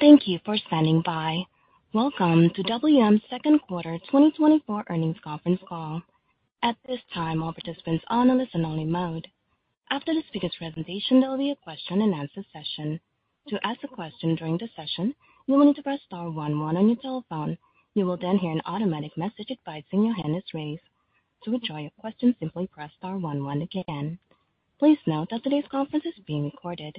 Thank you for standing by. Welcome to WM's second quarter 2024 earnings conference call. At this time, all participants are on a listen-only mode. After the speaker's presentation, there will be a question-and-answer session. To ask a question during the session, you will need to press star 11 on your telephone. You will then hear an automatic message advising your hand is raised. To withdraw your question, simply press star 11 again. Please note that today's conference is being recorded.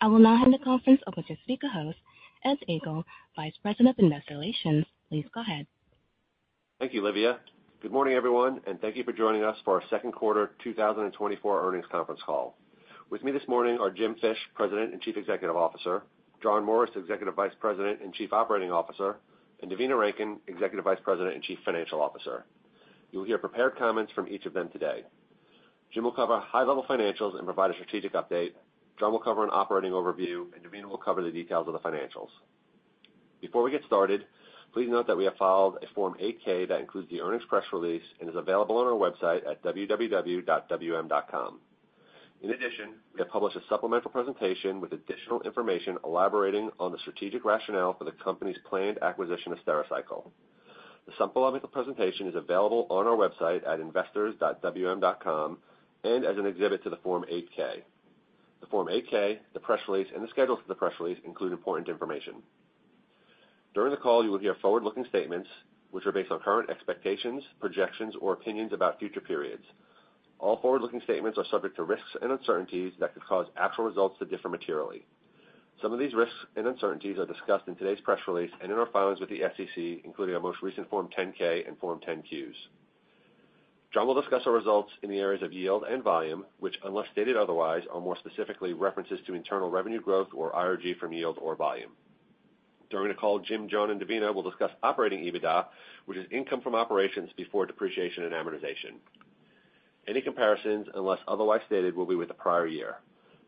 I will now hand the conference over to our speaker host, Ed Egl, Vice President of Investor Relations. Please go ahead. Thank you, Livia. Good morning, everyone, and thank you for joining us for our second quarter 2024 earnings conference call. With me this morning are Jim Fish, President and Chief Executive Officer; John Morris, Executive Vice President and Chief Operating Officer; and Devina Rankin, Executive Vice President and Chief Financial Officer. You will hear prepared comments from each of them today. Jim will cover high-level financials and provide a strategic update. John will cover an operating overview, and Devina will cover the details of the financials. Before we get started, please note that we have filed a Form 8-K that includes the earnings press release and is available on our website at www.wm.com. In addition, we have published a supplemental presentation with additional information elaborating on the strategic rationale for the company's planned acquisition of Stericycle. The supplemental presentation is available on our website at investors.wm.com and as an exhibit to the Form 8-K. The Form 8-K, the press release, and the schedules for the press release include important information. During the call, you will hear forward-looking statements which are based on current expectations, projections, or opinions about future periods. All forward-looking statements are subject to risks and uncertainties that could cause actual results to differ materially. Some of these risks and uncertainties are discussed in today's press release and in our filings with the SEC, including our most recent Form 10-K and Form 10-Qs. John will discuss our results in the areas of yield and volume, which, unless stated otherwise, are more specifically references to internal revenue growth or IRG from yield or volume. During the call, Jim, John, and Devina will discuss Operating EBITDA, which is income from operations before depreciation and amortization. Any comparisons, unless otherwise stated, will be with the prior year.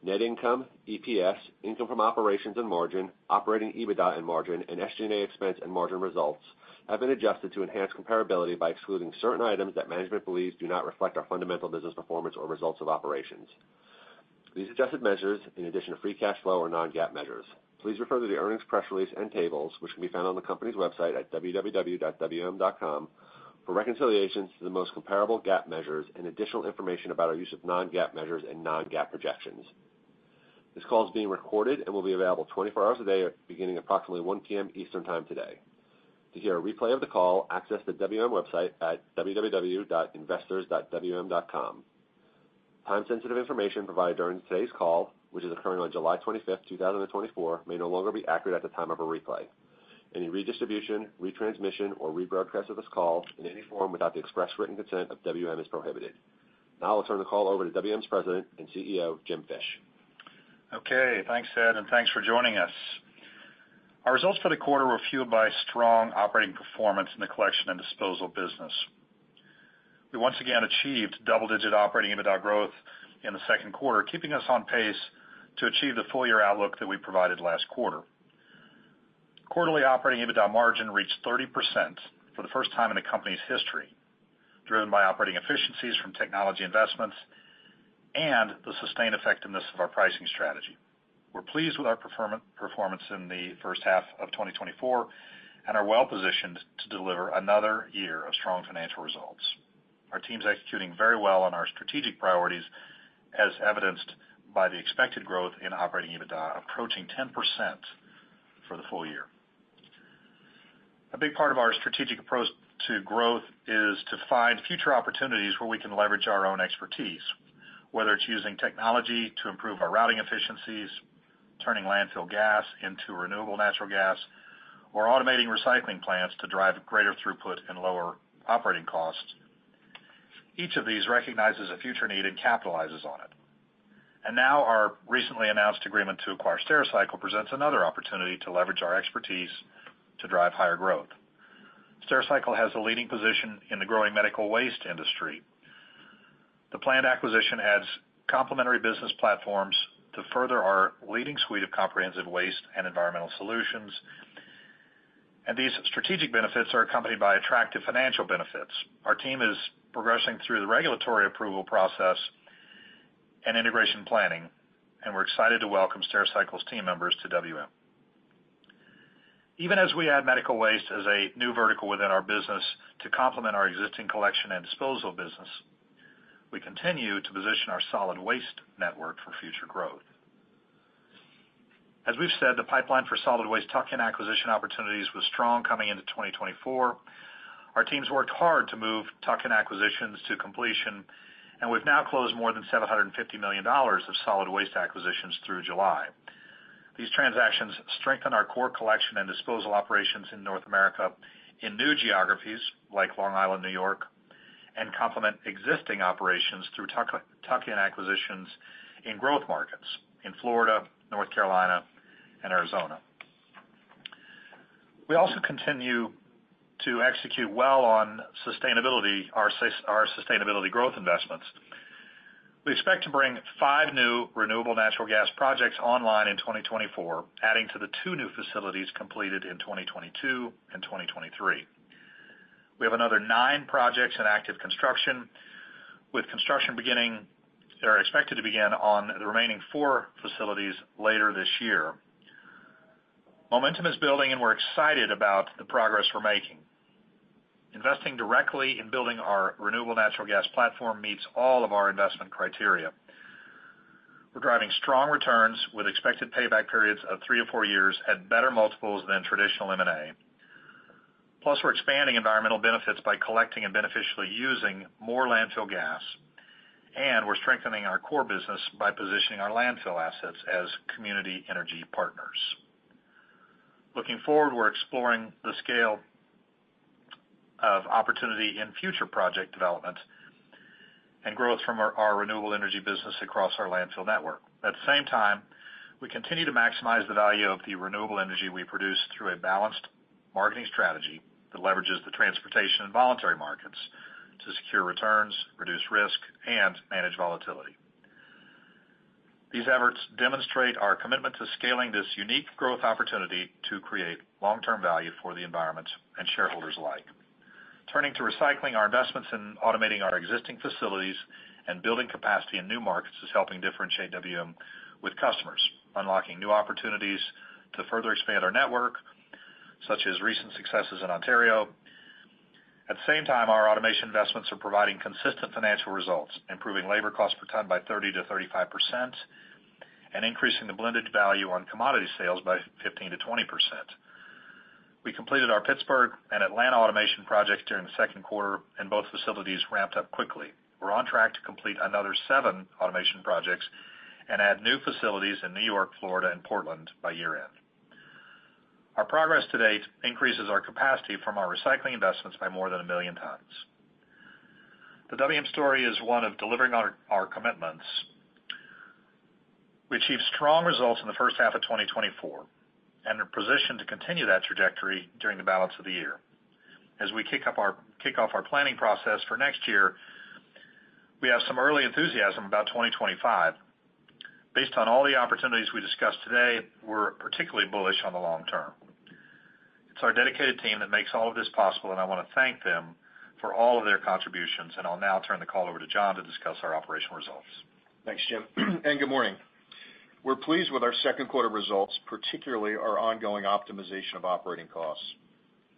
Net income, EPS, income from operations and margin, operating EBITDA and margin, and SG&A expense and margin results have been adjusted to enhance comparability by excluding certain items that management believes do not reflect our fundamental business performance or results of operations. These adjusted measures are in addition to free cash flow or non-GAAP measures. Please refer to the earnings press release and tables, which can be found on the company's website at www.wm.com, for reconciliations to the most comparable GAAP measures and additional information about our use of non-GAAP measures and non-GAAP projections. This call is being recorded and will be available 24 hours a day beginning at approximately 1:00 P.M. Eastern Time today. To hear a replay of the call, access the WM website at www.investors.wm.com. Time-sensitive information provided during today's call, which is occurring on July 25, 2024, may no longer be accurate at the time of a replay. Any redistribution, retransmission, or rebroadcast of this call in any form without the express written consent of WM is prohibited. Now I'll turn the call over to WM's President and CEO, Jim Fish. Okay. Thanks, Ed, and thanks for joining us. Our results for the quarter were fueled by strong operating performance in the collection and disposal business. We once again achieved double-digit Operating EBITDA growth in the second quarter, keeping us on pace to achieve the full-year outlook that we provided last quarter. Quarterly Operating EBITDA margin reached 30% for the first time in the company's history, driven by operating efficiencies from technology investments and the sustained effectiveness of our pricing strategy. We're pleased with our performance in the first half of 2024 and are well-positioned to deliver another year of strong financial results. Our team is executing very well on our strategic priorities, as evidenced by the expected growth in Operating EBITDA approaching 10% for the full year. A big part of our strategic approach to growth is to find future opportunities where we can leverage our own expertise, whether it's using technology to improve our routing efficiencies, turning landfill gas into renewable natural gas, or automating recycling plants to drive greater throughput and lower operating costs. Each of these recognizes a future need and capitalizes on it. And now our recently announced agreement to acquire Stericycle presents another opportunity to leverage our expertise to drive higher growth. Stericycle has a leading position in the growing medical waste industry. The planned acquisition adds complementary business platforms to further our leading suite of comprehensive waste and environmental solutions. And these strategic benefits are accompanied by attractive financial benefits. Our team is progressing through the regulatory approval process and integration planning, and we're excited to welcome Stericycle's team members to WM. Even as we add medical waste as a new vertical within our business to complement our existing collection and disposal business, we continue to position our solid waste network for future growth. As we've said, the pipeline for solid waste tuck-in acquisition opportunities was strong coming into 2024. Our teams worked hard to move tuck-in acquisitions to completion, and we've now closed more than $750 million of solid waste acquisitions through July. These transactions strengthen our core collection and disposal operations in North America in new geographies like Long Island, New York, and complement existing operations through tuck-in acquisitions in growth markets in Florida, North Carolina, and Arizona. We also continue to execute well on our sustainability growth investments. We expect to bring five new renewable natural gas projects online in 2024, adding to the two new facilities completed in 2022 and 2023. We have another nine projects in active construction, with construction expected to begin on the remaining four facilities later this year. Momentum is building, and we're excited about the progress we're making. Investing directly in building our renewable natural gas platform meets all of our investment criteria. We're driving strong returns with expected payback periods of three to four years at better multiples than traditional M&A. Plus, we're expanding environmental benefits by collecting and beneficially using more landfill gas, and we're strengthening our core business by positioning our landfill assets as community energy partners. Looking forward, we're exploring the scale of opportunity in future project development and growth from our renewable energy business across our landfill network. At the same time, we continue to maximize the value of the renewable energy we produce through a balanced marketing strategy that leverages the transportation and voluntary markets to secure returns, reduce risk, and manage volatility. These efforts demonstrate our commitment to scaling this unique growth opportunity to create long-term value for the environment and shareholders alike. Turning to recycling, our investments in automating our existing facilities and building capacity in new markets is helping differentiate WM with customers, unlocking new opportunities to further expand our network, such as recent successes in Ontario. At the same time, our automation investments are providing consistent financial results, improving labor costs per ton by 30% to 35% and increasing the blended value on commodity sales by 15% to 20%. We completed our Pittsburgh and Atlanta automation projects during the second quarter, and both facilities ramped up quickly. We're on track to complete another seven automation projects and add new facilities in New York, Florida, and Portland by year-end. Our progress to date increases our capacity from our recycling investments by more than 1 million tons. The WM story is one of delivering our commitments. We achieved strong results in the first half of 2024 and are positioned to continue that trajectory during the balance of the year. As we kick off our planning process for next year, we have some early enthusiasm about 2025. Based on all the opportunities we discussed today, we're particularly bullish on the long term. It's our dedicated team that makes all of this possible, and I want to thank them for all of their contributions. I'll now turn the call over to John to discuss our operational results. Thanks, Jim. And good morning. We're pleased with our second quarter results, particularly our ongoing optimization of operating costs.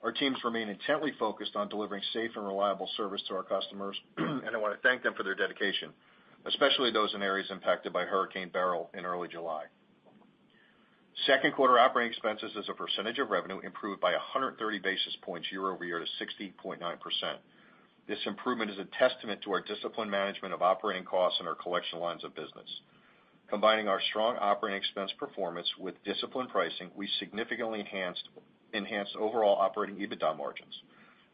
Our teams remain intently focused on delivering safe and reliable service to our customers, and I want to thank them for their dedication, especially those in areas impacted by Hurricane Beryl in early July. Second quarter operating expenses as a percentage of revenue improved by 130 basis points year over year to 60.9%. This improvement is a testament to our disciplined management of operating costs and our collection lines of business. Combining our strong operating expense performance with disciplined pricing, we significantly enhanced overall Operating EBITDA margins.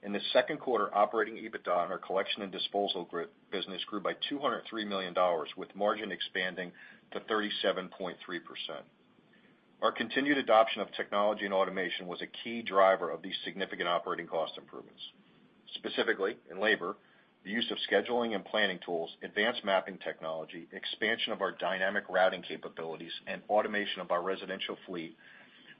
In the second quarter, Operating EBITDA in our collection and disposal business grew by $203 million, with margin expanding to 37.3%. Our continued adoption of technology and automation was a key driver of these significant operating cost improvements. Specifically, in labor, the use of scheduling and planning tools, advanced mapping technology, expansion of our dynamic routing capabilities, and automation of our residential fleet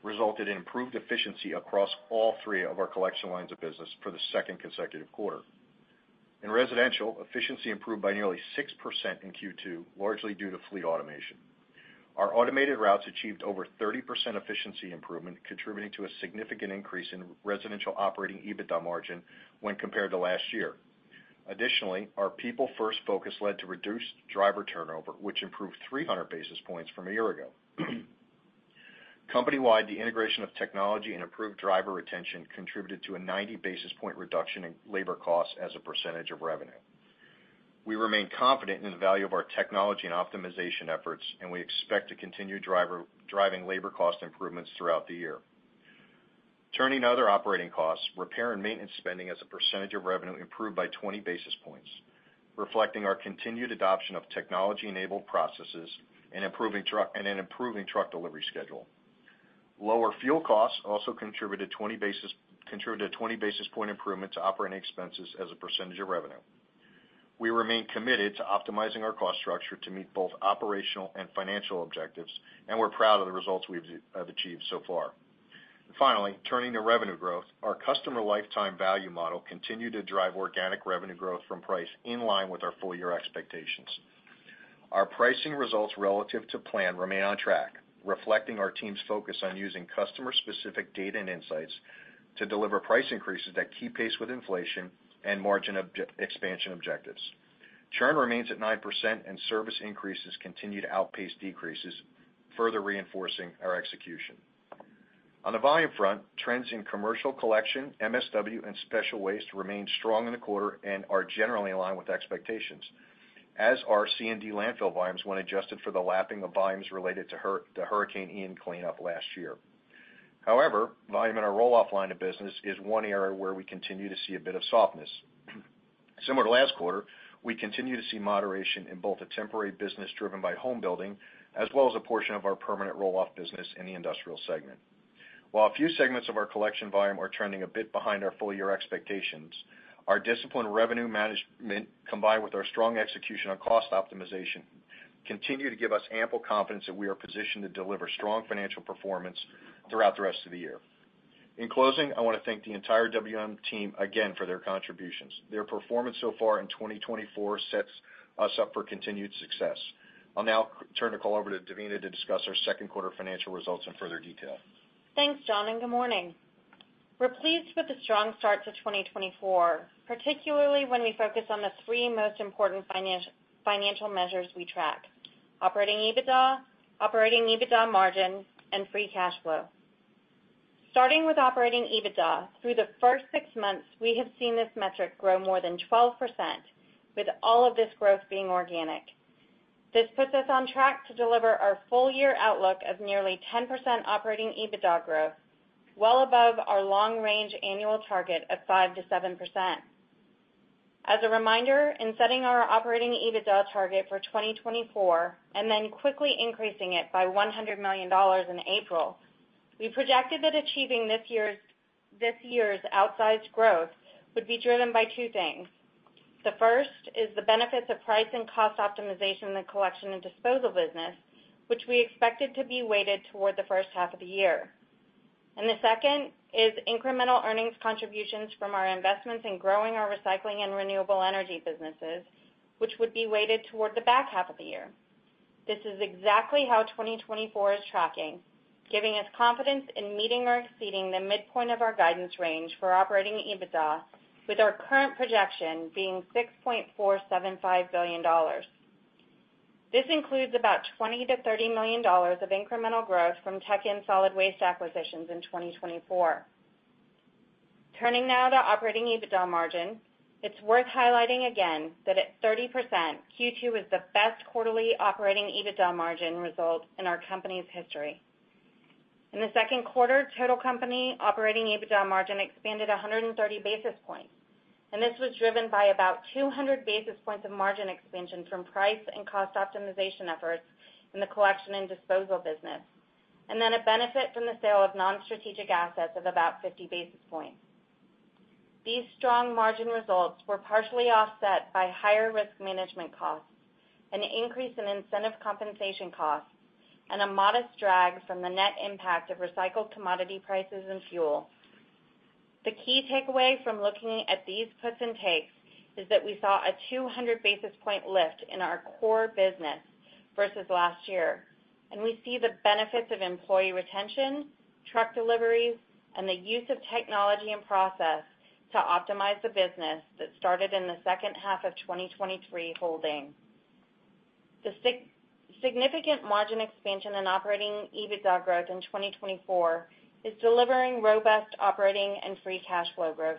resulted in improved efficiency across all three of our collection lines of business for the second consecutive quarter. In residential, efficiency improved by nearly 6% in Q2, largely due to fleet automation. Our automated routes achieved over 30% efficiency improvement, contributing to a significant increase in residential Operating EBITDA margin when compared to last year. Additionally, our people-first focus led to reduced driver turnover, which improved 300 basis points from a year ago. Company-wide, the integration of technology and improved driver retention contributed to a 90-basis-point reduction in labor costs as a percentage of revenue. We remain confident in the value of our technology and optimization efforts, and we expect to continue driving labor cost improvements throughout the year. Turning other operating costs, repair and maintenance spending as a percentage of revenue improved by 20 basis points, reflecting our continued adoption of technology-enabled processes and improving truck delivery schedule. Lower fuel costs also contributed to 20-basis-point improvement to operating expenses as a percentage of revenue. We remain committed to optimizing our cost structure to meet both operational and financial objectives, and we're proud of the results we've achieved so far. Finally, turning to revenue growth, our Customer Lifetime Value model continued to drive organic revenue growth from price in line with our full-year expectations. Our pricing results relative to plan remain on track, reflecting our team's focus on using customer-specific data and insights to deliver price increases that keep pace with inflation and margin expansion objectives. Churn remains at 9%, and service increases continue to outpace decreases, further reinforcing our execution. On the volume front, trends in commercial collection, MSW, and special waste remain strong in the quarter and are generally aligned with expectations, as are C&D landfill volumes when adjusted for the lapping of volumes related to Hurricane Ian cleanup last year. However, volume in our roll-off line of business is one area where we continue to see a bit of softness. Similar to last quarter, we continue to see moderation in both a temporary business driven by homebuilding as well as a portion of our permanent roll-off business in the industrial segment. While a few segments of our collection volume are trending a bit behind our full-year expectations, our disciplined revenue management combined with our strong execution on cost optimization continue to give us ample confidence that we are positioned to deliver strong financial performance throughout the rest of the year. In closing, I want to thank the entire WM team again for their contributions. Their performance so far in 2024 sets us up for continued success. I'll now turn the call over to Devina to discuss our second quarter financial results in further detail. Thanks, John, and good morning. We're pleased with the strong start to 2024, particularly when we focus on the three most important financial measures we track: Operating EBITDA, Operating EBITDA margin, and Free Cash Flow. Starting with Operating EBITDA, through the first six months, we have seen this metric grow more than 12%, with all of this growth being organic. This puts us on track to deliver our full-year outlook of nearly 10% Operating EBITDA growth, well above our long-range annual target of 5% to 7%. As a reminder, in setting our Operating EBITDA target for 2024 and then quickly increasing it by $100 million in April, we projected that achieving this year's outsized growth would be driven by two things. The first is the benefits of price and cost optimization in the collection and disposal business, which we expected to be weighted toward the first half of the year. The second is incremental earnings contributions from our investments in growing our recycling and renewable energy businesses, which would be weighted toward the back half of the year. This is exactly how 2024 is tracking, giving us confidence in meeting or exceeding the midpoint of our guidance range for Operating EBITDA, with our current projection being $6.475 billion. This includes about $20 million to $30 million of incremental growth from tuck-in solid waste acquisitions in 2024. Turning now to Operating EBITDA margin, it's worth highlighting again that at 30%, Q2 was the best quarterly Operating EBITDA margin result in our company's history. In the second quarter, total company Operating EBITDA margin expanded 130 basis points, and this was driven by about 200 basis points of margin expansion from price and cost optimization efforts in the collection and disposal business, and then a benefit from the sale of non-strategic assets of about 50 basis points. These strong margin results were partially offset by higher risk management costs, an increase in incentive compensation costs, and a modest drag from the net impact of recycled commodity prices and fuel. The key takeaway from looking at these puts and takes is that we saw a 200-basis-point lift in our core business versus last year, and we see the benefits of employee retention, truck deliveries, and the use of technology and process to optimize the business that started in the second half of 2023 holding. The significant margin expansion in operating EBITDA growth in 2024 is delivering robust operating and free cash flow growth.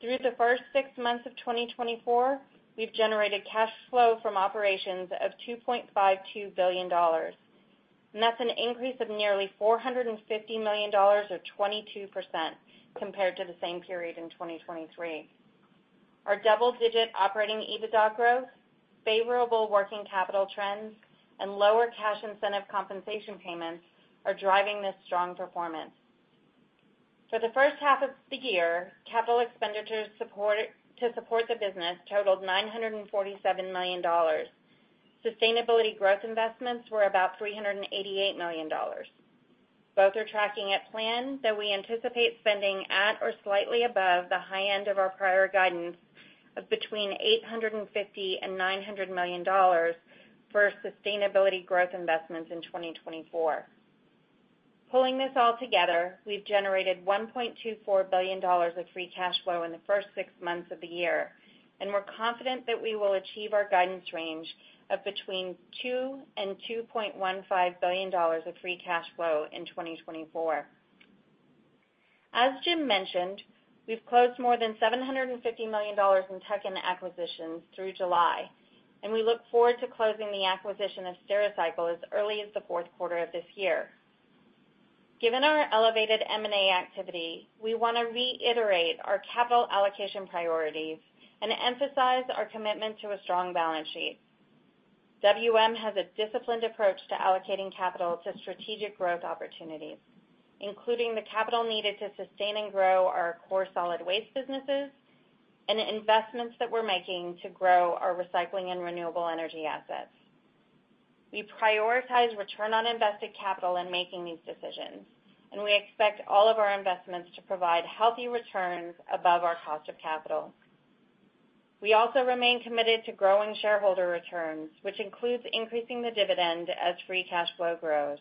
Through the first six months of 2024, we've generated cash flow from operations of $2.52 billion, and that's an increase of nearly $450 million, or 22%, compared to the same period in 2023. Our double-digit operating EBITDA growth, favorable working capital trends, and lower cash incentive compensation payments are driving this strong performance. For the first half of the year, capital expenditures to support the business totaled $947 million. Sustainability growth investments were about $388 million. Both are tracking at plan, though we anticipate spending at or slightly above the high end of our prior guidance of between $850 and $900 million for sustainability growth investments in 2024. Pulling this all together, we've generated $1.24 billion of free cash flow in the first six months of the year, and we're confident that we will achieve our guidance range of between $2 billion and $2.15 billion of free cash flow in 2024. As Jim mentioned, we've closed more than $750 million in tuck-in acquisitions through July, and we look forward to closing the acquisition of Stericycle as early as the fourth quarter of this year. Given our elevated M&A activity, we want to reiterate our capital allocation priorities and emphasize our commitment to a strong balance sheet. WM has a disciplined approach to allocating capital to strategic growth opportunities, including the capital needed to sustain and grow our core solid waste businesses and investments that we're making to grow our recycling and renewable energy assets. We prioritize return on invested capital in making these decisions, and we expect all of our investments to provide healthy returns above our cost of capital. We also remain committed to growing shareholder returns, which includes increasing the dividend as Free Cash Flow grows.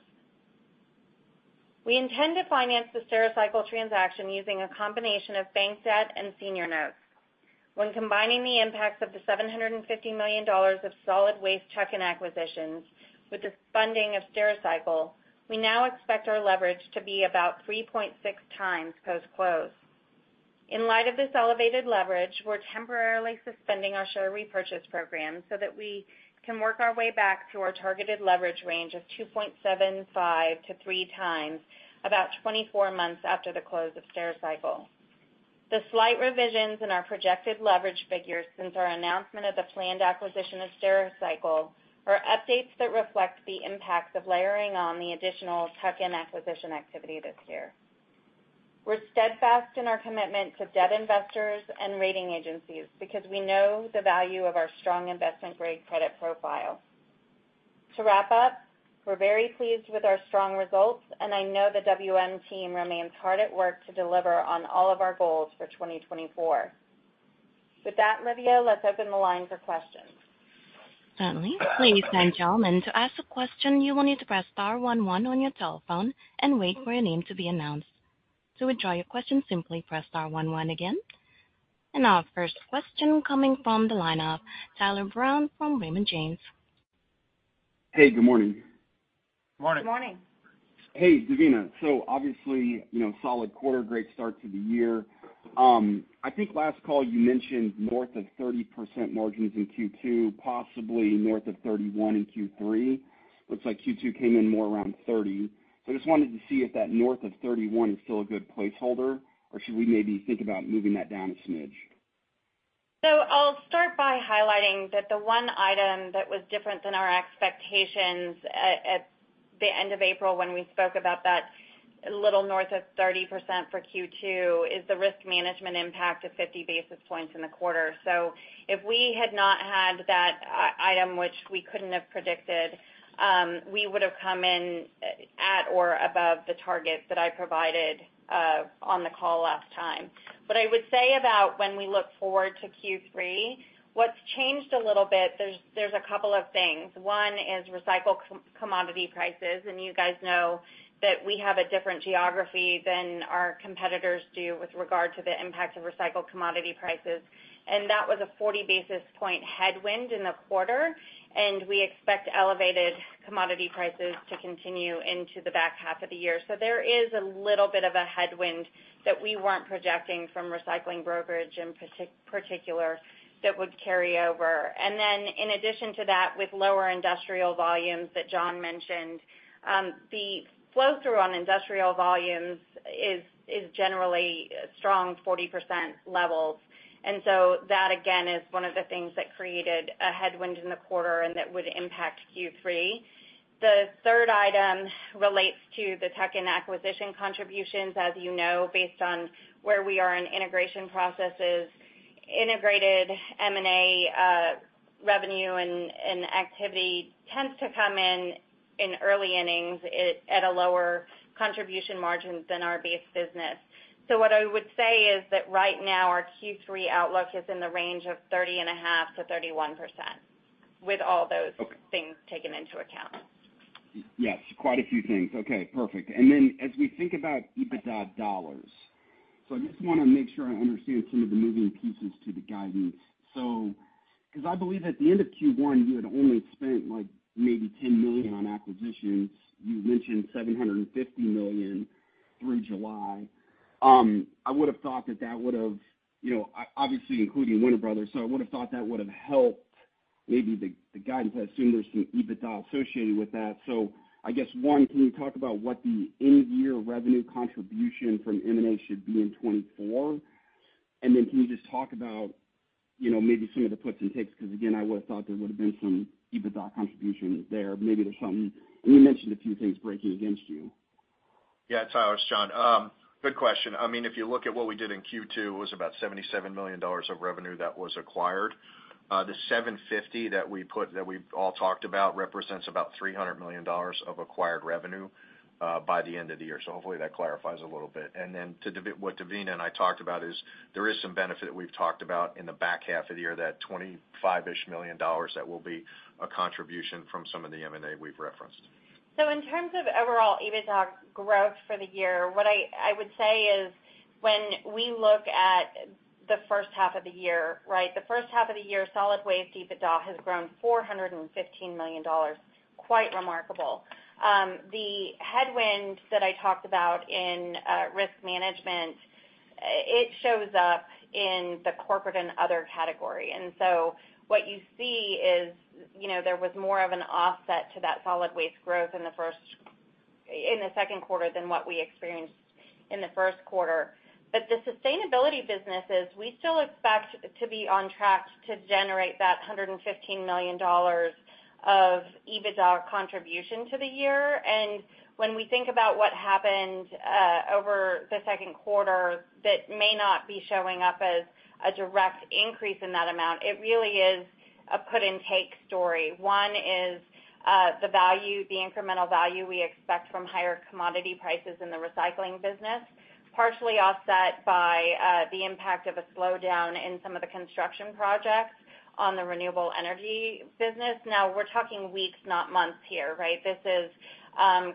We intend to finance the Stericycle transaction using a combination of bank debt and senior notes. When combining the impacts of the $750 million of solid waste tuck-in acquisitions with the funding of Stericycle, we now expect our leverage to be about 3.6 times post-close. In light of this elevated leverage, we're temporarily suspending our share repurchase program so that we can work our way back to our targeted leverage range of 2.75-3 times about 24 months after the close of Stericycle. The slight revisions in our projected leverage figures since our announcement of the planned acquisition of Stericycle are updates that reflect the impacts of layering on the additional tuck-in acquisition activity this year. We're steadfast in our commitment to debt investors and rating agencies because we know the value of our strong investment-grade credit profile. To wrap up, we're very pleased with our strong results, and I know the WM team remains hard at work to deliver on all of our goals for 2024. With that, Livia, let's open the line for questions. Please, gentlemen, to ask a question, you will need to press star 11 on your telephone and wait for your name to be announced. To withdraw your question, simply press star 11 again. Our first question coming from the line of Tyler Brown from Raymond James. Hey, good morning. Good morning. Good morning. Hey, Devina. So obviously, solid quarter, great start to the year. I think last call you mentioned north of 30% margins in Q2, possibly north of 31% in Q3. Looks like Q2 came in more around 30%. So I just wanted to see if that north of 31% is still a good placeholder, or should we maybe think about moving that down a smidge? So I'll start by highlighting that the one item that was different than our expectations at the end of April when we spoke about that little north of 30% for Q2 is the risk management impact of 50 basis points in the quarter. So if we had not had that item, which we couldn't have predicted, we would have come in at or above the target that I provided on the call last time. What I would say about when we look forward to Q3, what's changed a little bit, there's a couple of things. One is recycled commodity prices, and you guys know that we have a different geography than our competitors do with regard to the impact of recycled commodity prices. And that was a 40-basis-point headwind in the quarter, and we expect elevated commodity prices to continue into the back half of the year. There is a little bit of a headwind that we weren't projecting from recycling brokerage in particular that would carry over. And then, in addition to that, with lower industrial volumes that John mentioned, the flow-through on industrial volumes is generally strong 40% levels. And so that, again, is one of the things that created a headwind in the quarter and that would impact Q3. The third item relates to the tuck-in acquisition contributions. As you know, based on where we are in integration processes, integrated M&A revenue and activity tends to come in in early innings at a lower contribution margin than our base business. What I would say is that right now our Q3 outlook is in the range of 30.5% to 31% with all those things taken into account. Yes, quite a few things. Okay, perfect. And then as we think about EBITDA dollars, so I just want to make sure I understand some of the moving pieces to the guidance. So because I believe at the end of Q1, you had only spent maybe $10 million on acquisitions. You mentioned $750 million through July. I would have thought that that would have, obviously including Winters Bros., so I would have thought that would have helped maybe the guidance. I assume there's some EBITDA associated with that. So I guess, one, can you talk about what the end-year revenue contribution from M&A should be in 2024? And then can you just talk about maybe some of the puts and takes? Because, again, I would have thought there would have been some EBITDA contribution there. Maybe there's something. And you mentioned a few things breaking against you. Yeah, Tyler, it's John. Good question. I mean, if you look at what we did in Q2, it was about $77 million of revenue that was acquired. The $750 million that we've all talked about represents about $300 million of acquired revenue by the end of the year. So hopefully that clarifies a little bit. And then what Devina and I talked about is there is some benefit that we've talked about in the back half of the year, that $25 million-ish that will be a contribution from some of the M&A we've referenced. So, in terms of overall EBITDA growth for the year, what I would say is when we look at the first half of the year, right, the first half of the year, solid waste EBITDA has grown $415 million. Quite remarkable. The headwind that I talked about in risk management, it shows up in the corporate and other category. And so what you see is there was more of an offset to that solid waste growth in the second quarter than what we experienced in the first quarter. But the sustainability businesses, we still expect to be on track to generate that $115 million of EBITDA contribution to the year. And when we think about what happened over the second quarter, that may not be showing up as a direct increase in that amount. It really is a put-and-take story. One is the incremental value we expect from higher commodity prices in the recycling business, partially offset by the impact of a slowdown in some of the construction projects on the renewable energy business. Now, we're talking weeks, not months here, right? This is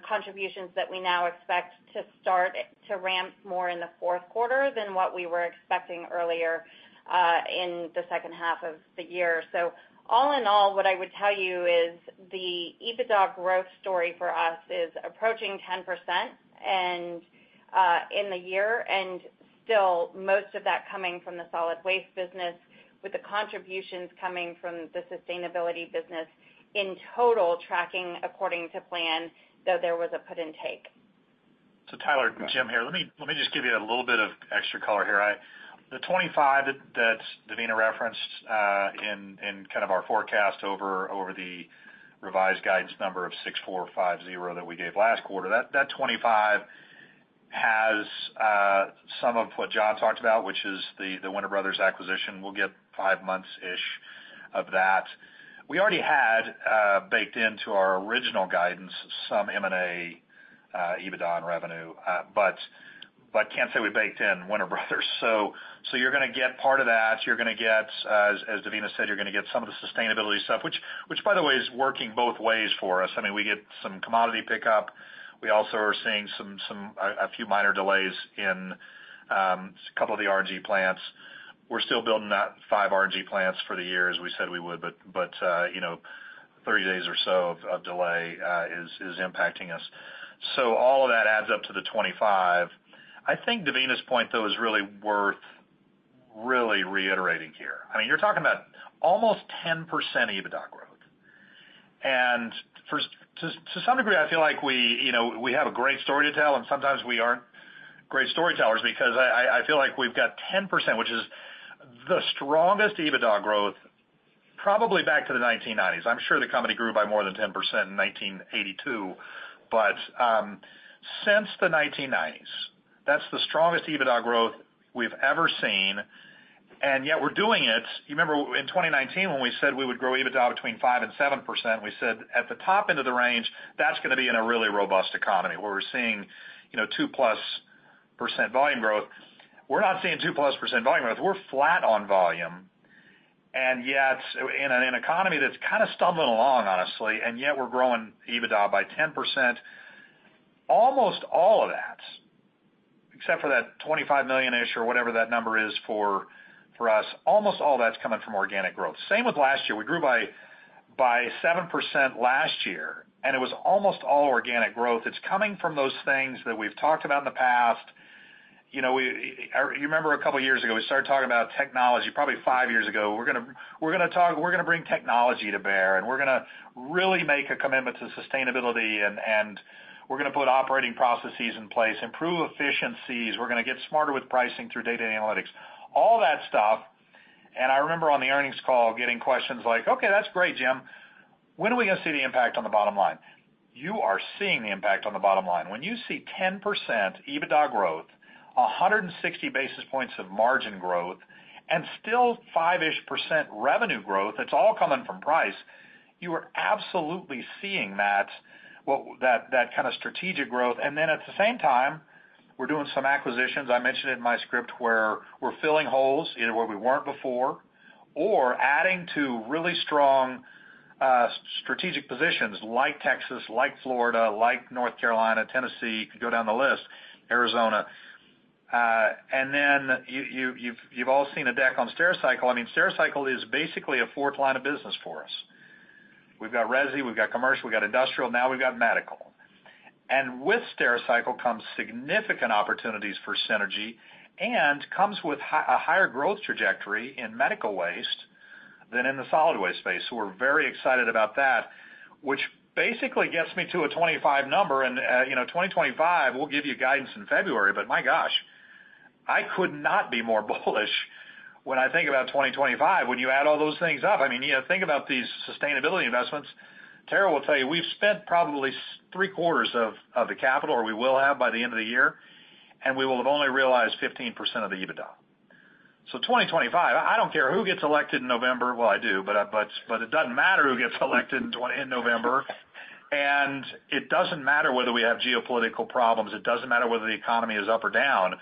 contributions that we now expect to start to ramp more in the fourth quarter than what we were expecting earlier in the second half of the year. So all in all, what I would tell you is the EBITDA growth story for us is approaching 10% in the year, and still most of that coming from the solid waste business with the contributions coming from the sustainability business in total tracking according to plan, though there was a put-and-take. So Tyler, Jim here, let me just give you a little bit of extra color here. The 25 that Devina referenced in kind of our forecast over the revised guidance number of 6,450 that we gave last quarter, that 25 has some of what John talked about, which is the Winters Bros. acquisition. We'll get five months-ish of that. We already had baked into our original guidance some M&A EBITDA and revenue, but can't say we baked in Winters Bros. So you're going to get part of that. You're going to get, as Devina said, you're going to get some of the sustainability stuff, which, by the way, is working both ways for us. I mean, we get some commodity pickup. We also are seeing a few minor delays in a couple of the RNG plants. We're still building that five RNG plants for the year as we said we would, but 30 days or so of delay is impacting us. So all of that adds up to the 25. I think Devina's point, though, is really worth really reiterating here. I mean, you're talking about almost 10% EBITDA growth. And to some degree, I feel like we have a great story to tell, and sometimes we aren't great storytellers because I feel like we've got 10%, which is the strongest EBITDA growth probably back to the 1990s. I'm sure the company grew by more than 10% in 1982, but since the 1990s, that's the strongest EBITDA growth we've ever seen. And yet we're doing it. You remember in 2019 when we said we would grow EBITDA between 5% to 7%? We said at the top end of the range, that's going to be in a really robust economy where we're seeing 2% plus volume growth. We're not seeing 2% plus volume growth. We're flat on volume. And yet in an economy that's kind of stumbling along, honestly, and yet we're growing EBITDA by 10%, almost all of that, except for that $25 million-ish or whatever that number is for us, almost all that's coming from organic growth. Same with last year. We grew by 7% last year, and it was almost all organic growth. It's coming from those things that we've talked about in the past. You remember a couple of years ago, we started talking about technology probably five years ago. We're going to bring technology to bear, and we're going to really make a commitment to sustainability, and we're going to put operating processes in place, improve efficiencies. We're going to get smarter with pricing through data and analytics, all that stuff. And I remember on the earnings call getting questions like, "Okay, that's great, Jim. When are we going to see the impact on the bottom line?" You are seeing the impact on the bottom line. When you see 10% EBITDA growth, 160 basis points of margin growth, and still 5%-ish revenue growth, that's all coming from price, you are absolutely seeing that kind of strategic growth. And then at the same time, we're doing some acquisitions. I mentioned it in my script where we're filling holes either where we weren't before or adding to really strong strategic positions like Texas, like Florida, like North Carolina, Tennessee, could go down the list, Arizona. And then you've all seen a deck on Stericycle. I mean, Stericycle is basically a fourth line of business for us. We've got resi, we've got commercial, we've got industrial, now we've got medical. And with Stericycle comes significant opportunities for synergy and comes with a higher growth trajectory in medical waste than in the solid waste space. So we're very excited about that, which basically gets me to a 25 number. And 2025, we'll give you guidance in February, but my gosh, I could not be more bullish when I think about 2025. When you add all those things up, I mean, think about these sustainability investments. Tara will tell you we've spent probably three quarters of the capital, or we will have by the end of the year, and we will have only realized 15% of the EBITDA. So 2025, I don't care who gets elected in November. Well, I do, but it doesn't matter who gets elected in November. And it doesn't matter whether we have geopolitical problems. It doesn't matter whether the economy is up or down.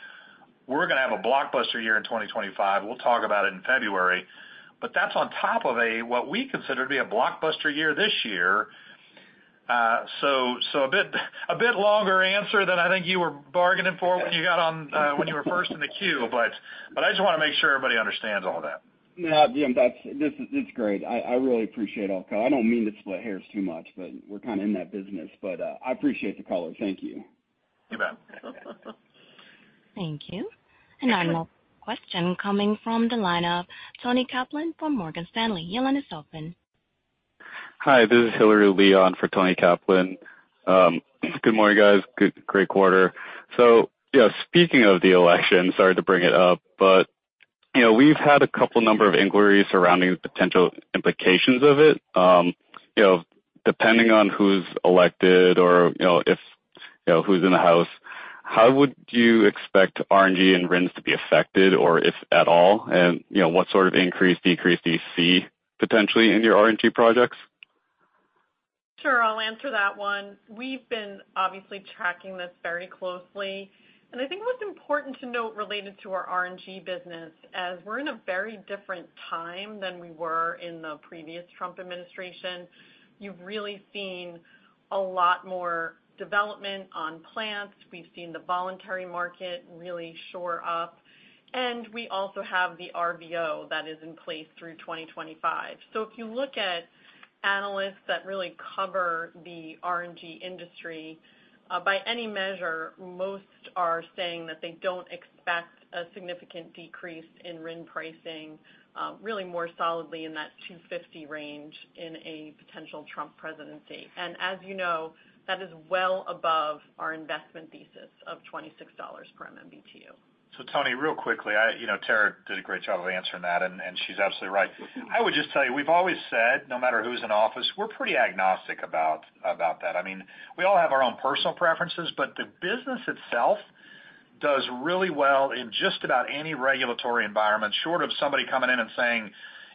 We're going to have a blockbuster year in 2025. We'll talk about it in February. But that's on top of what we consider to be a blockbuster year this year. So a bit longer answer than I think you were bargaining for when you got on when you were first in the queue. But I just want to make sure everybody understands all of that. No, Jim, this is great. I really appreciate all the color. I don't mean to split hairs too much, but we're kind of in that business. But I appreciate the color. Thank you. You bet. Thank you. And one more question coming from the line of Toni Kaplan from Morgan Stanley. Your line is open. Hi, this is Hilary Leon for Toni Kaplan. Good morning, guys. Great quarter. So speaking of the election, sorry to bring it up, but we've had a couple number of inquiries surrounding the potential implications of it. Depending on who's elected or if who's in the house, how would you expect RNG and RINs to be affected or if at all? And what sort of increase, decrease do you see potentially in your RNG projects? Sure. I'll answer that one. We've been obviously tracking this very closely. I think what's important to note related to our RNG business is we're in a very different time than we were in the previous Trump administration. You've really seen a lot more development on plants. We've seen the voluntary market really shore up. We also have the RVO that is in place through 2025. So if you look at analysts that really cover the RNG industry, by any measure, most are saying that they don't expect a significant decrease in RIN pricing, really more solidly in that 250 range in a potential Trump presidency. As you know, that is well above our investment thesis of $26 per MMBTU. So Toni, real quickly, Tara did a great job of answering that, and she's absolutely right. I would just tell you, we've always said, no matter who's in office, we're pretty agnostic about that. I mean, we all have our own personal preferences, but the business itself does really well in just about any regulatory environment, short of somebody coming in and saying,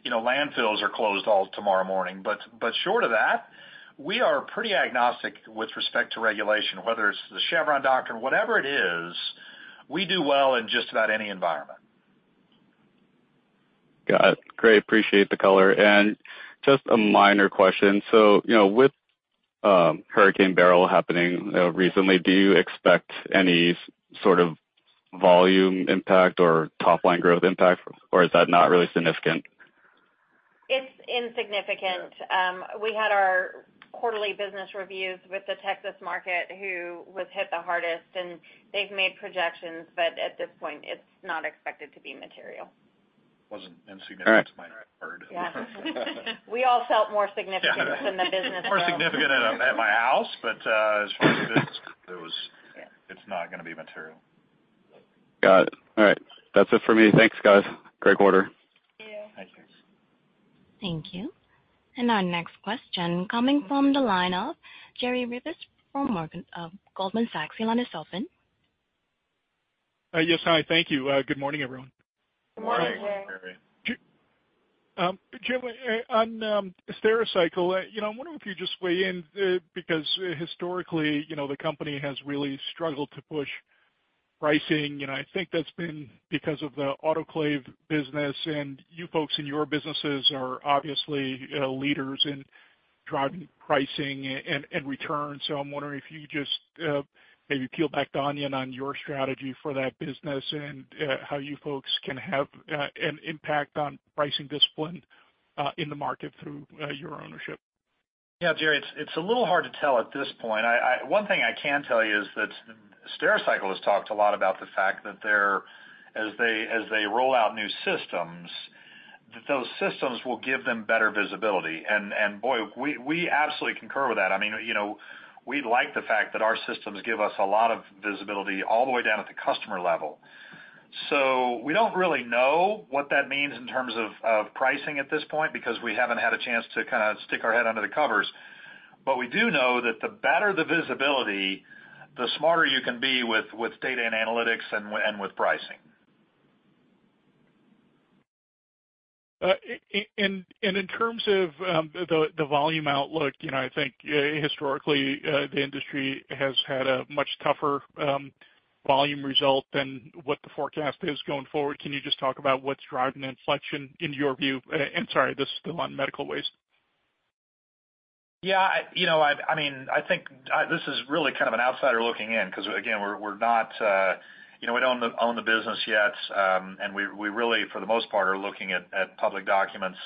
"Landfills are closed all tomorrow morning." But short of that, we are pretty agnostic with respect to regulation, whether it's the Chevron doctrine, whatever it is, we do well in just about any environment. Got it. Great. Appreciate the color. And just a minor question. So with Hurricane Beryl happening recently, do you expect any sort of volume impact or top-line growth impact, or is that not really significant? It's insignificant. We had our quarterly business reviews with the Texas market, who was hit the hardest, and they've made projections, but at this point, it's not expected to be material. Wasn't insignificant to my heart. We all felt more significant than the business market. More significant at my house, but as far as the business growth, it's not going to be material. Got it. All right. That's it for me. Thanks, guys. Great quarter. Thank you. Thank you. Thank you. And our next question coming from the line of Jerry Revich from Goldman Sachs. Your line is open. Yes, hi. Thank you. Good morning, everyone. Good morning. Good morning, Jerry. Jim on Stericycle, I'm wondering if you'd just weigh in because historically, the company has really struggled to push pricing. I think that's been because of the autoclave business, and you folks in your businesses are obviously leaders in driving pricing and returns. So I'm wondering if you could just maybe peel back the onion on your strategy for that business and how you folks can have an impact on pricing discipline in the market through your ownership. Yeah, Jerry, it's a little hard to tell at this point. One thing I can tell you is that Stericycle has talked a lot about the fact that as they roll out new systems, those systems will give them better visibility. And boy, we absolutely concur with that. I mean, we like the fact that our systems give us a lot of visibility all the way down at the customer level. So we don't really know what that means in terms of pricing at this point because we haven't had a chance to kind of stick our head under the covers. But we do know that the better the visibility, the smarter you can be with data and analytics and with pricing. In terms of the volume outlook, I think historically the industry has had a much tougher volume result than what the forecast is going forward. Can you just talk about what's driving inflection in your view? Sorry, this is still on medical waste. Yeah. I mean, I think this is really kind of an outsider looking in because, again, we're not, we don't own the business yet, and we really, for the most part, are looking at public documents.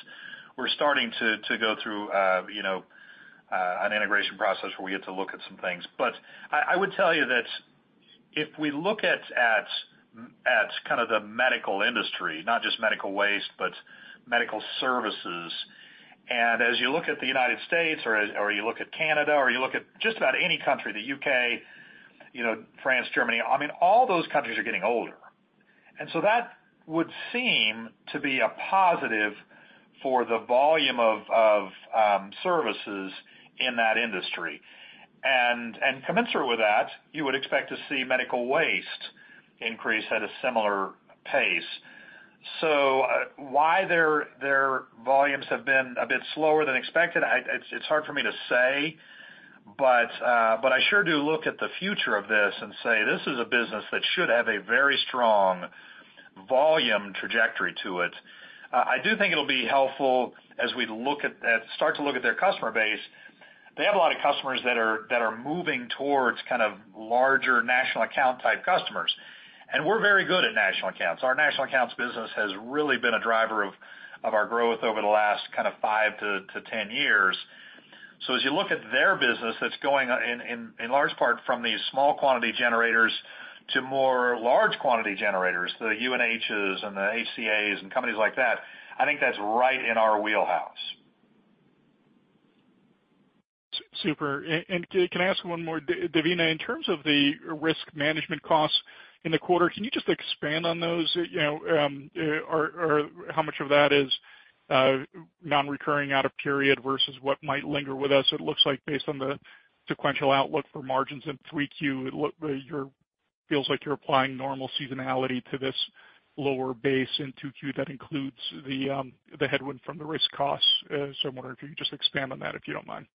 We're starting to go through an integration process where we get to look at some things. But I would tell you that if we look at kind of the medical industry, not just medical waste, but medical services, and as you look at the United States, or you look at Canada, or you look at just about any country, the UK, France, Germany, I mean, all those countries are getting older. And so that would seem to be a positive for the volume of services in that industry. And commensurate with that, you would expect to see medical waste increase at a similar pace. So why their volumes have been a bit slower than expected, it's hard for me to say, but I sure do look at the future of this and say, "This is a business that should have a very strong volume trajectory to it." I do think it'll be helpful as we start to look at their customer base. They have a lot of customers that are moving towards kind of larger national account type customers. And we're very good at national accounts. Our national accounts business has really been a driver of our growth over the last kind of five to 10 years. So as you look at their business, that's going in large part from these small quantity generators to more large quantity generators, the UNHs and the HCAs and companies like that, I think that's right in our wheelhouse. Super. Can I ask one more, Devina? In terms of the risk management costs in the quarter, can you just expand on those? How much of that is non-recurring out of period versus what might linger with us? It looks like based on the sequential outlook for margins in 3Q, it feels like you're applying normal seasonality to this lower base in 2Q that includes the headwind from the risk costs. I'm wondering if you could just expand on that if you don't mind.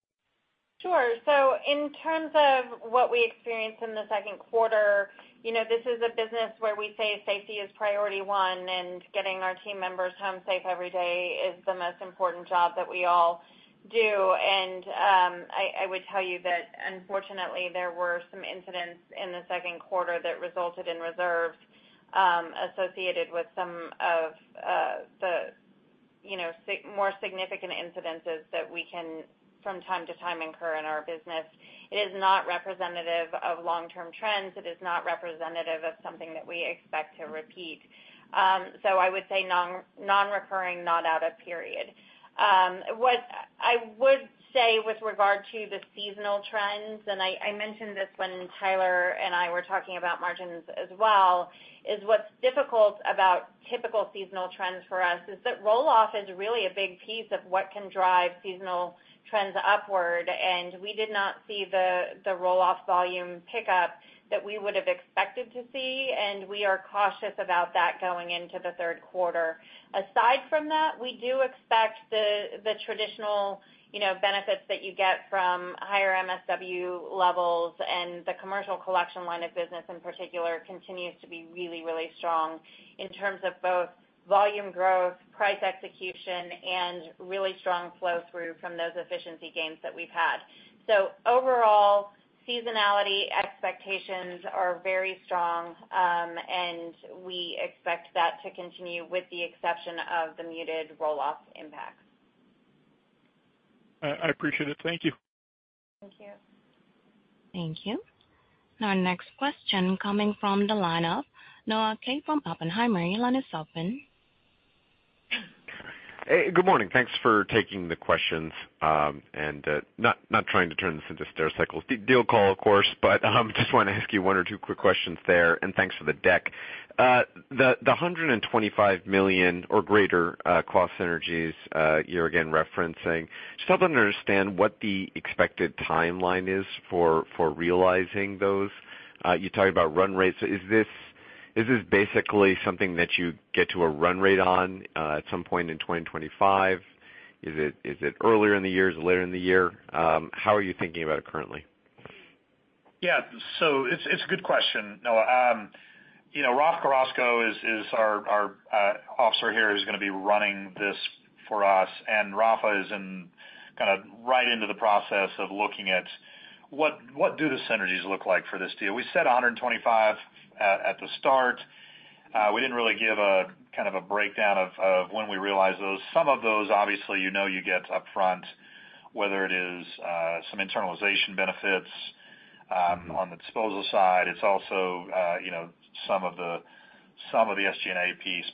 Sure. So in terms of what we experienced in the second quarter, this is a business where we say safety is priority one, and getting our team members home safe every day is the most important job that we all do. And I would tell you that, unfortunately, there were some incidents in the second quarter that resulted in reserves associated with some of the more significant incidents that we can, from time to time, incur in our business. It is not representative of long-term trends. It is not representative of something that we expect to repeat. So I would say non-recurring, not out of period. I would say with regard to the seasonal trends, and I mentioned this when Tyler and I were talking about margins as well, is what's difficult about typical seasonal trends for us is that roll-off is really a big piece of what can drive seasonal trends upward. We did not see the roll-off volume pickup that we would have expected to see, and we are cautious about that going into the third quarter. Aside from that, we do expect the traditional benefits that you get from higher MSW levels, and the commercial collection line of business in particular continues to be really, really strong in terms of both volume growth, price execution, and really strong flow through from those efficiency gains that we've had. Overall, seasonality expectations are very strong, and we expect that to continue with the exception of the muted roll-off impacts. I appreciate it. Thank you. Thank you. Thank you. Our next question coming from the line of Noah Kaye from Oppenheimer. Your line is open. Hey, good morning. Thanks for taking the questions and not trying to turn this into Stericycle's deal call, of course, but I just want to ask you one or two quick questions there. Thanks for the deck. The $125 million or greater cost synergies you're again referencing, just helping understand what the expected timeline is for realizing those. You talked about run rates. Is this basically something that you get to a run rate on at some point in 2025? Is it earlier in the year? Is it later in the year? How are you thinking about it currently? Yeah. So it's a good question, Noah. Rafa Carrasco is our officer here who's going to be running this for us. And Rafa is kind of right into the process of looking at what do the synergies look like for this deal? We set $125 at the start. We didn't really give a kind of a breakdown of when we realize those. Some of those, obviously, you know you get upfront, whether it is some internalization benefits on the disposal side. It's also some of the SG&A piece.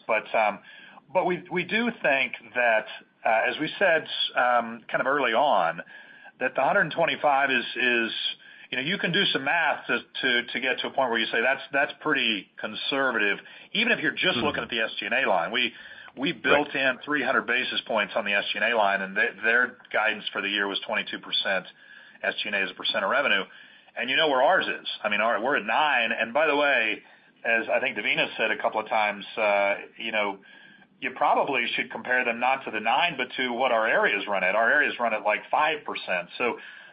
But we do think that, as we said kind of early on, that the $125 is you can do some math to get to a point where you say, "That's pretty conservative," even if you're just looking at the SG&A line. We built in 300 basis points on the SG&A line, and their guidance for the year was 22% SG&A as a percent of revenue. And you know where ours is. I mean, we're at 9%. And by the way, as I think Devina said a couple of times, you probably should compare them not to the 9%, but to what our areas run at. Our areas run at like 5%.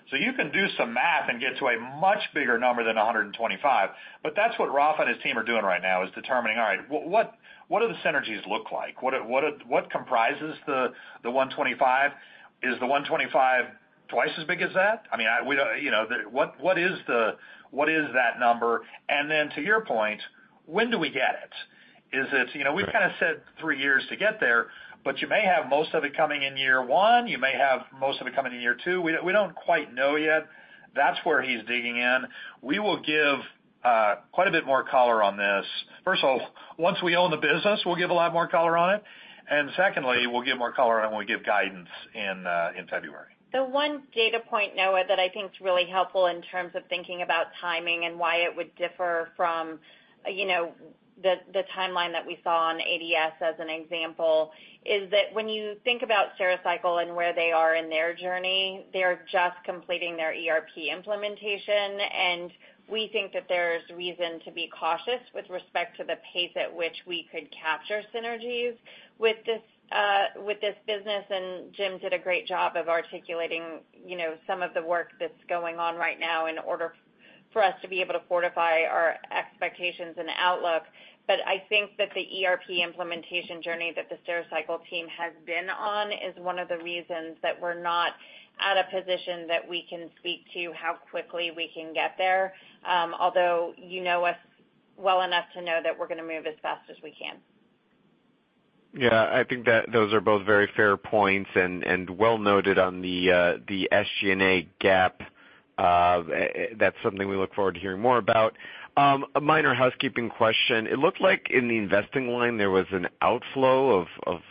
So you can do some math and get to a much bigger number than $125. But that's what Rafa and his team are doing right now is determining, "All right, what do the synergies look like? What comprises the $125? Is the $125 twice as big as that?" I mean, what is that number? And then to your point, when do we get it? We've kind of said three years to get there, but you may have most of it coming in year one. You may have most of it coming in year two. We don't quite know yet. That's where he's digging in. We will give quite a bit more color on this. First of all, once we own the business, we'll give a lot more color on it. And secondly, we'll give more color on it when we give guidance in February. The one data point, Noah, that I think is really helpful in terms of thinking about timing and why it would differ from the timeline that we saw on ADS as an example is that when you think about Stericycle and where they are in their journey, they are just completing their ERP implementation. We think that there's reason to be cautious with respect to the pace at which we could capture synergies with this business. Jim did a great job of articulating some of the work that's going on right now in order for us to be able to fortify our expectations and outlook. But I think that the ERP implementation journey that the Stericycle team has been on is one of the reasons that we're not at a position that we can speak to how quickly we can get there, although you know us well enough to know that we're going to move as fast as we can. Yeah. I think that those are both very fair points and well noted on the SG&A gap. That's something we look forward to hearing more about. A minor housekeeping question. It looked like in the investing line, there was an outflow of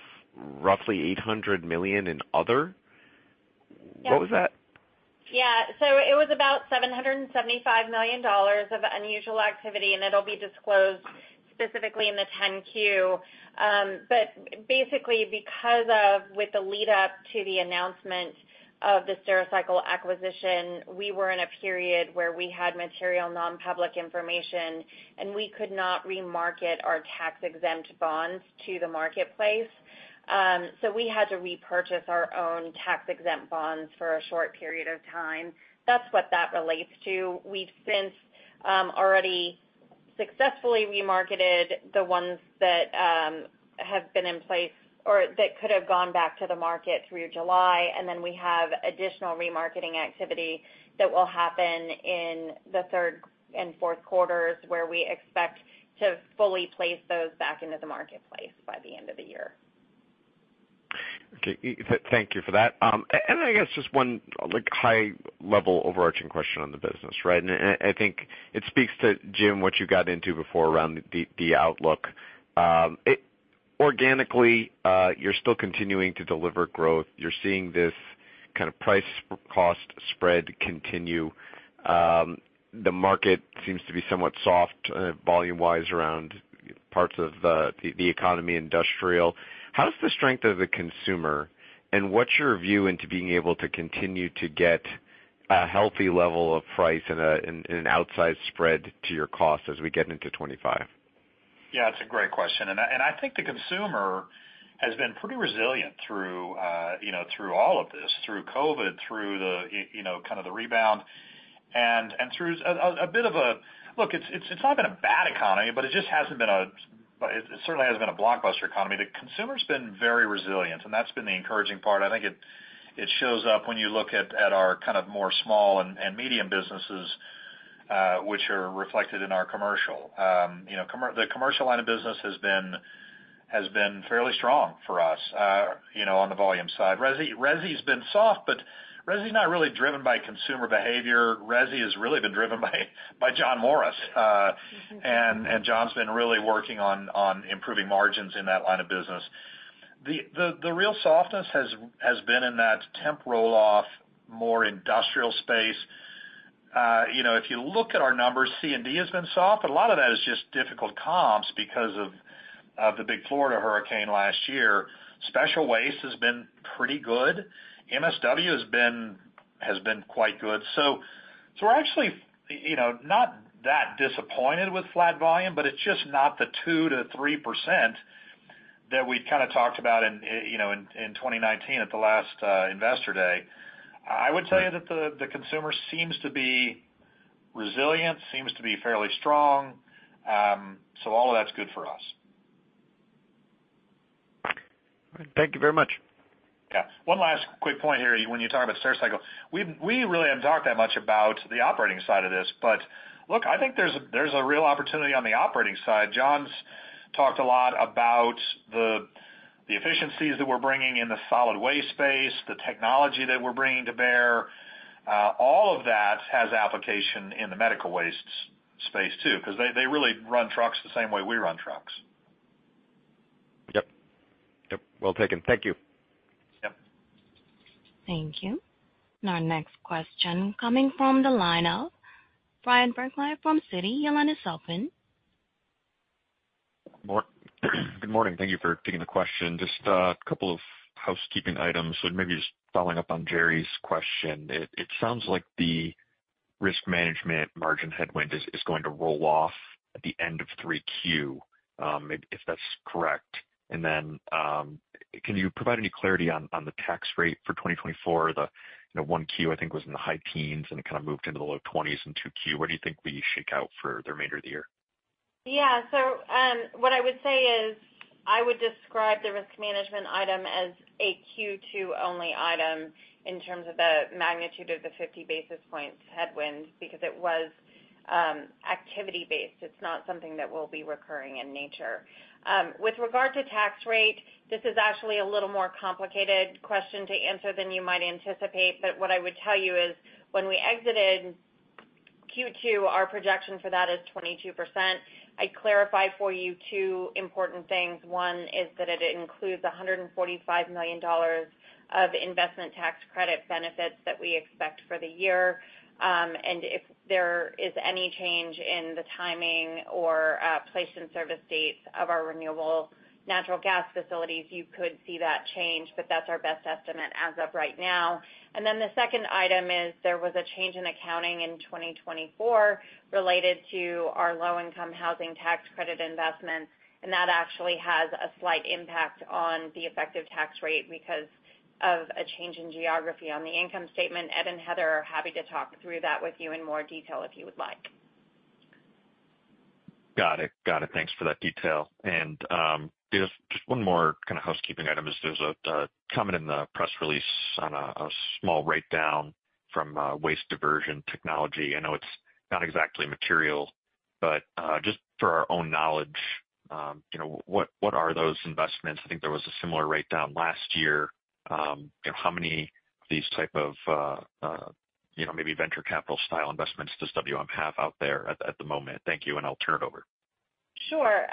roughly $800 million in other. What was that? Yeah. So it was about $775 million of unusual activity, and it'll be disclosed specifically in the 10-Q. But basically, because of with the lead-up to the announcement of the Stericycle acquisition, we were in a period where we had material non-public information, and we could not remarket our tax-exempt bonds to the marketplace. So we had to repurchase our own tax-exempt bonds for a short period of time. That's what that relates to. We've since already successfully remarketed the ones that have been in place or that could have gone back to the market through July. And then we have additional remarketing activity that will happen in the third and fourth quarters where we expect to fully place those back into the marketplace by the end of the year. Okay. Thank you for that. And I guess just one high-level overarching question on the business, right? And I think it speaks to, Jim, what you got into before around the outlook. Organically, you're still continuing to deliver growth. You're seeing this kind of price-cost spread continue. The market seems to be somewhat soft volume-wise around parts of the economy industrial. How's the strength of the consumer? And what's your view into being able to continue to get a healthy level of price and an outside spread to your cost as we get into 2025? Yeah. It's a great question. And I think the consumer has been pretty resilient through all of this, through COVID, through kind of the rebound, and through a bit of a look, it's not been a bad economy, but it just hasn't been a blockbuster economy. The consumer's been very resilient, and that's been the encouraging part. I think it shows up when you look at our kind of more small and medium businesses, which are reflected in our commercial. The commercial line of business has been fairly strong for us on the volume side. Residential's been soft, but residential's not really driven by consumer behavior. Residential has really been driven by John Morris, and John's been really working on improving margins in that line of business. The real softness has been in that temporary roll-off, more industrial space. If you look at our numbers, C&D has been soft, but a lot of that is just difficult comps because of the big Florida hurricane last year. Special waste has been pretty good. MSW has been quite good. So we're actually not that disappointed with flat volume, but it's just not the 2% to 3% that we kind of talked about in 2019 at the last Investor Day. I would tell you that the consumer seems to be resilient, seems to be fairly strong. So all of that's good for us. All right. Thank you very much. Yeah. One last quick point here when you talk about Stericycle. We really haven't talked that much about the operating side of this, but look, I think there's a real opportunity on the operating side. John's talked a lot about the efficiencies that we're bringing in the solid waste space, the technology that we're bringing to bear. All of that has application in the medical waste space too because they really run trucks the same way we run trucks. Yep. Yep. Well taken. Thank you. Yep. Thank you. Our next question coming from the line of Bryan Burgmeier from Citi. Your line is open. Good morning. Thank you for taking the question. Just a couple of housekeeping items. So maybe just following up on Jerry's question. It sounds like the risk management margin headwind is going to roll off at the end of 3Q, if that's correct. And then can you provide any clarity on the tax rate for 2024? The 1Q, I think, was in the high teens, and it kind of moved into the low 20s in 2Q. Where do you think we shake out for the remainder of the year? Yeah. So what I would say is I would describe the risk management item as a Q2-only item in terms of the magnitude of the 50 basis points headwind because it was activity-based. It's not something that will be recurring in nature. With regard to tax rate, this is actually a little more complicated question to answer than you might anticipate. But what I would tell you is when we exited Q2, our projection for that is 22%. I clarified for you two important things. One is that it includes $145 million of Investment Tax Credit benefits that we expect for the year. And if there is any change in the timing or placed-in-service dates of our renewable natural gas facilities, you could see that change, but that's our best estimate as of right now. And then the second item is there was a change in accounting in 2024 related to our Low-Income Housing Tax Credit investments, and that actually has a slight impact on the effective tax rate because of a change in geography on the income statement. Ed Egl and Heather Miller are happy to talk through that with you in more detail if you would like. Got it. Got it. Thanks for that detail. And just one more kind of housekeeping item is there's a comment in the press release on a small write-down from waste diversion technology. I know it's not exactly material, but just for our own knowledge, what are those investments? I think there was a similar write-down last year. How many of these type of maybe venture capital style investments does WM have out there at the moment? Thank you. And I'll turn it over. Sure.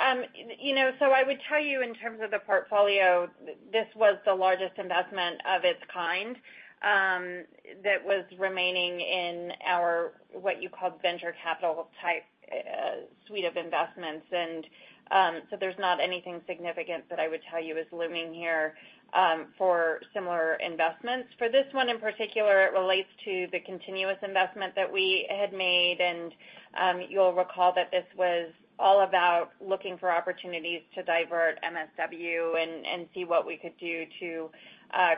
So I would tell you in terms of the portfolio, this was the largest investment of its kind that was remaining in our what you called venture capital type suite of investments. And so there's not anything significant that I would tell you is looming here for similar investments. For this one in particular, it relates to the Continuus investment that we had made. And you'll recall that this was all about looking for opportunities to divert MSW and see what we could do to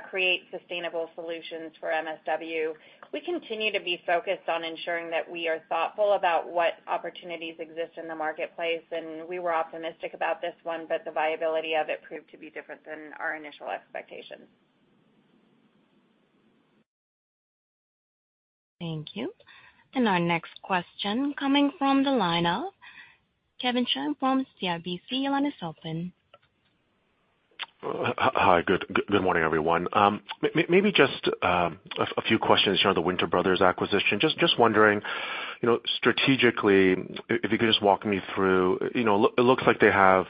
create sustainable solutions for MSW. We continue to be focused on ensuring that we are thoughtful about what opportunities exist in the marketplace. And we were optimistic about this one, but the viability of it proved to be different than our initial expectations. Thank you. And our next question coming from the line of Kevin Chiang from CIBC, your line is open. Hi. Good morning, everyone. Maybe just a few questions around the Winters Bros. acquisition. Just wondering, strategically, if you could just walk me through it looks like they have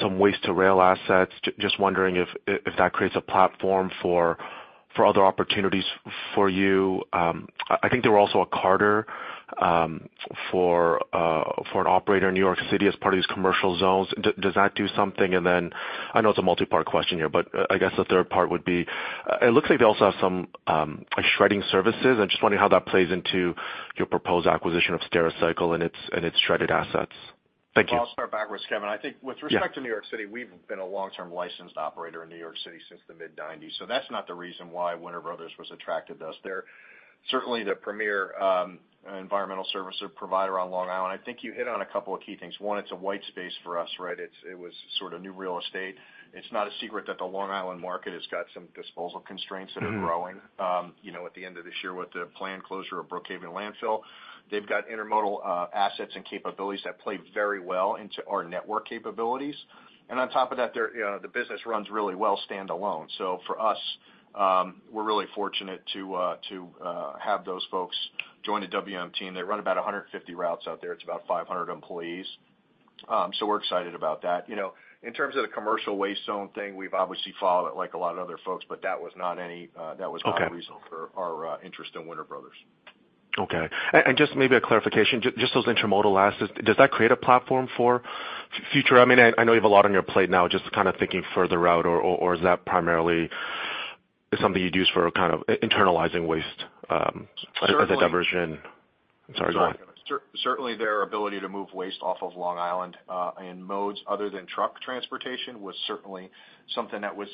some waste-to-rail assets. Just wondering if that creates a platform for other opportunities for you. I think they were also a carter for an operator in New York City as part of these commercial zones. Does that do something? And then I know it's a multi-part question here, but I guess the third part would be it looks like they also have some shredding services. And just wondering how that plays into your proposed acquisition of Stericycle and its shredding assets. Thank you. I'll start back with Kevin. I think with respect to New York City, we've been a long-term licensed operator in New York City since the mid-1990s. So that's not the reason why Winters Bros. was attracted to us. They're certainly the premier environmental servicer provider on Long Island. I think you hit on a couple of key things. One, it's a white space for us, right? It was sort of new real estate. It's not a secret that the Long Island market has got some disposal constraints that are growing at the end of this year with the planned closure of Brookhaven Landfill. They've got intermodal assets and capabilities that play very well into our network capabilities. And on top of that, the business runs really well standalone. So for us, we're really fortunate to have those folks join a WM team. They run about 150 routes out there. It's about 500 employees. So we're excited about that. In terms of the commercial waste zone thing, we've obviously followed it like a lot of other folks, but that was not a reason for our interest in Winters Bros. Okay. Just maybe a clarification, just those intermodal assets, does that create a platform for future? I mean, I know you have a lot on your plate now, just kind of thinking further out, or is that primarily something you'd use for kind of internalizing waste as a diversion? I'm sorry. Go on. Certainly, their ability to move waste off of Long Island in modes other than truck transportation was certainly something that was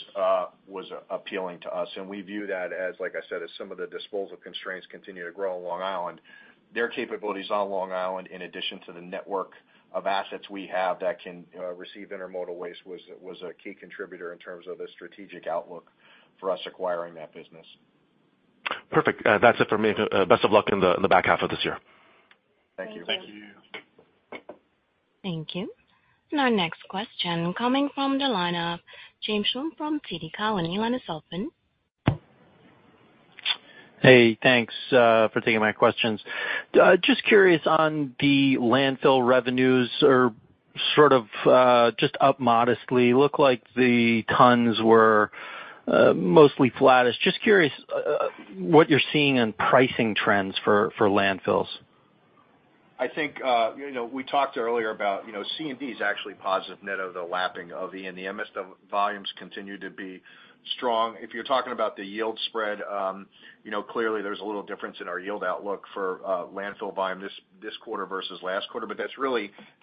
appealing to us. And we view that as, like I said, as some of the disposal constraints continue to grow on Long Island. Their capabilities on Long Island, in addition to the network of assets we have that can receive intermodal waste, was a key contributor in terms of the strategic outlook for us acquiring that business. Perfect. That's it for me. Best of luck in the back half of this year. Thank you. Thank you. Thank you. Our next question coming from the line of James Schumm from TD Cowen, the line is open. Hey, thanks for taking my questions. Just curious on the landfill revenues are sort of just up modestly. Look like the tons were mostly flattest. Just curious what you're seeing in pricing trends for landfills? I think we talked earlier about C&D is actually positive net of the lapping of E&P. MSW volumes continue to be strong. If you're talking about the yield spread, clearly there's a little difference in our yield outlook for landfill volume this quarter versus last quarter, but that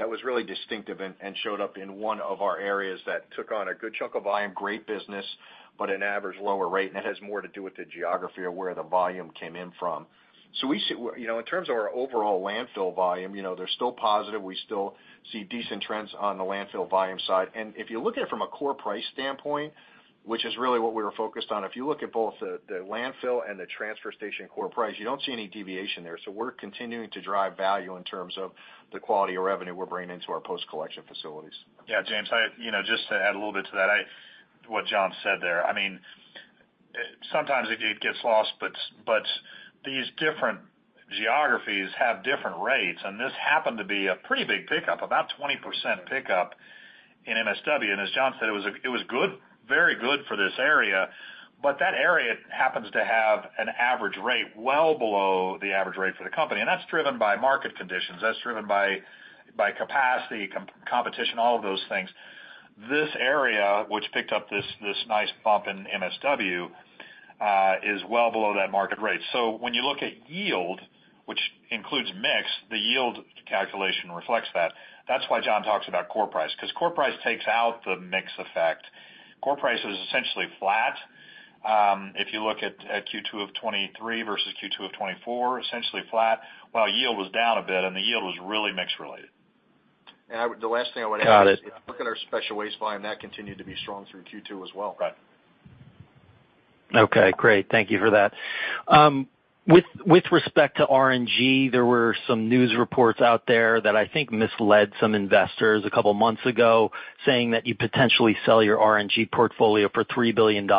was really distinctive and showed up in one of our areas that took on a good chunk of volume, great business, but an average lower rate. It has more to do with the geography of where the volume came in from. In terms of our overall landfill volume, they're still positive. We still see decent trends on the landfill volume side. If you look at it from a core price standpoint, which is really what we were focused on, if you look at both the landfill and the transfer station core price, you don't see any deviation there. We're continuing to drive value in terms of the quality of revenue we're bringing into our post-collection facilities. Yeah, James, just to add a little bit to that, what John said there, I mean, sometimes it gets lost, but these different geographies have different rates. And this happened to be a pretty big pickup, about 20% pickup in MSW. And as John said, it was good, very good for this area. But that area happens to have an average rate well below the average rate for the company. And that's driven by market conditions. That's driven by capacity, competition, all of those things. This area, which picked up this nice bump in MSW, is well below that market rate. So when you look at yield, which includes mix, the yield calculation reflects that. That's why John talks about core price, because core price takes out the mix effect. Core price is essentially flat. If you look at Q2 of 2023 versus Q2 of 2024, essentially flat, while yield was down a bit, and the yield was really mixed related. The last thing I would add, if you look at our special waste volume, that continued to be strong through Q2 as well. Right. Okay. Great. Thank you for that. With respect to RNG, there were some news reports out there that I think misled some investors a couple of months ago, saying that you potentially sell your RNG portfolio for $3 billion.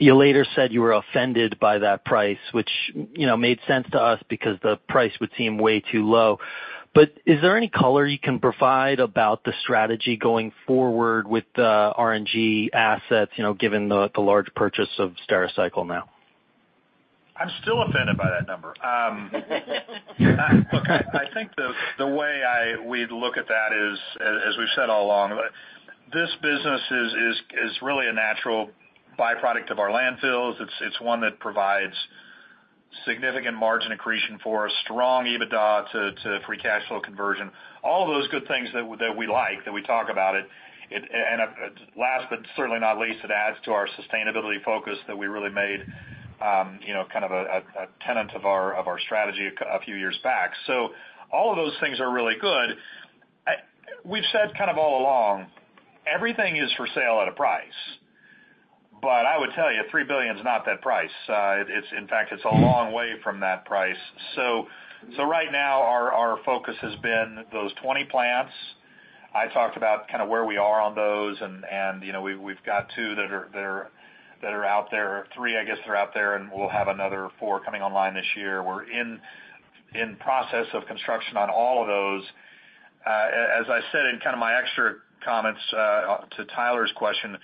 You later said you were offended by that price, which made sense to us because the price would seem way too low. But is there any color you can provide about the strategy going forward with the RNG assets, given the large purchase of Stericycle now? I'm still offended by that number. Look, I think the way we look at that is, as we've said all along, this business is really a natural byproduct of our landfills. It's one that provides significant margin accretion for a strong EBITDA to free cash flow conversion. All of those good things that we like, that we talk about it. And last, but certainly not least, it adds to our sustainability focus that we really made kind of a tenet of our strategy a few years back. So all of those things are really good. We've said kind of all along, everything is for sale at a price. But I would tell you, $3 billion is not that price. In fact, it's a long way from that price. So right now, our focus has been those 20 plants. I talked about kind of where we are on those, and we've got two that are out there. three, I guess, that are out there, and we'll have another 4 coming online this year. We're in process of construction on all of those. As I said in kind of my extra comments to Tyler's question,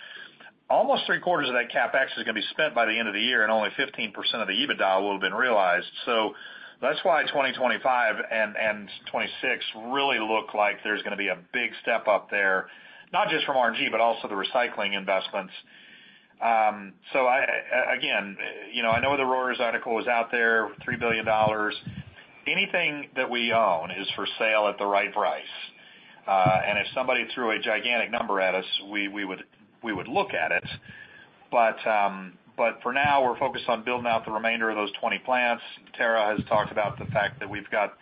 almost three quarters of that CapEx is going to be spent by the end of the year, and only 15% of the EBITDA will have been realized. So that's why 2025 and 2026 really look like there's going to be a big step up there, not just from RNG, but also the recycling investments. So again, I know the Reuters article was out there, $3 billion. Anything that we own is for sale at the right price. And if somebody threw a gigantic number at us, we would look at it. But for now, we're focused on building out the remainder of those 20 plants. Tara has talked about the fact that we've got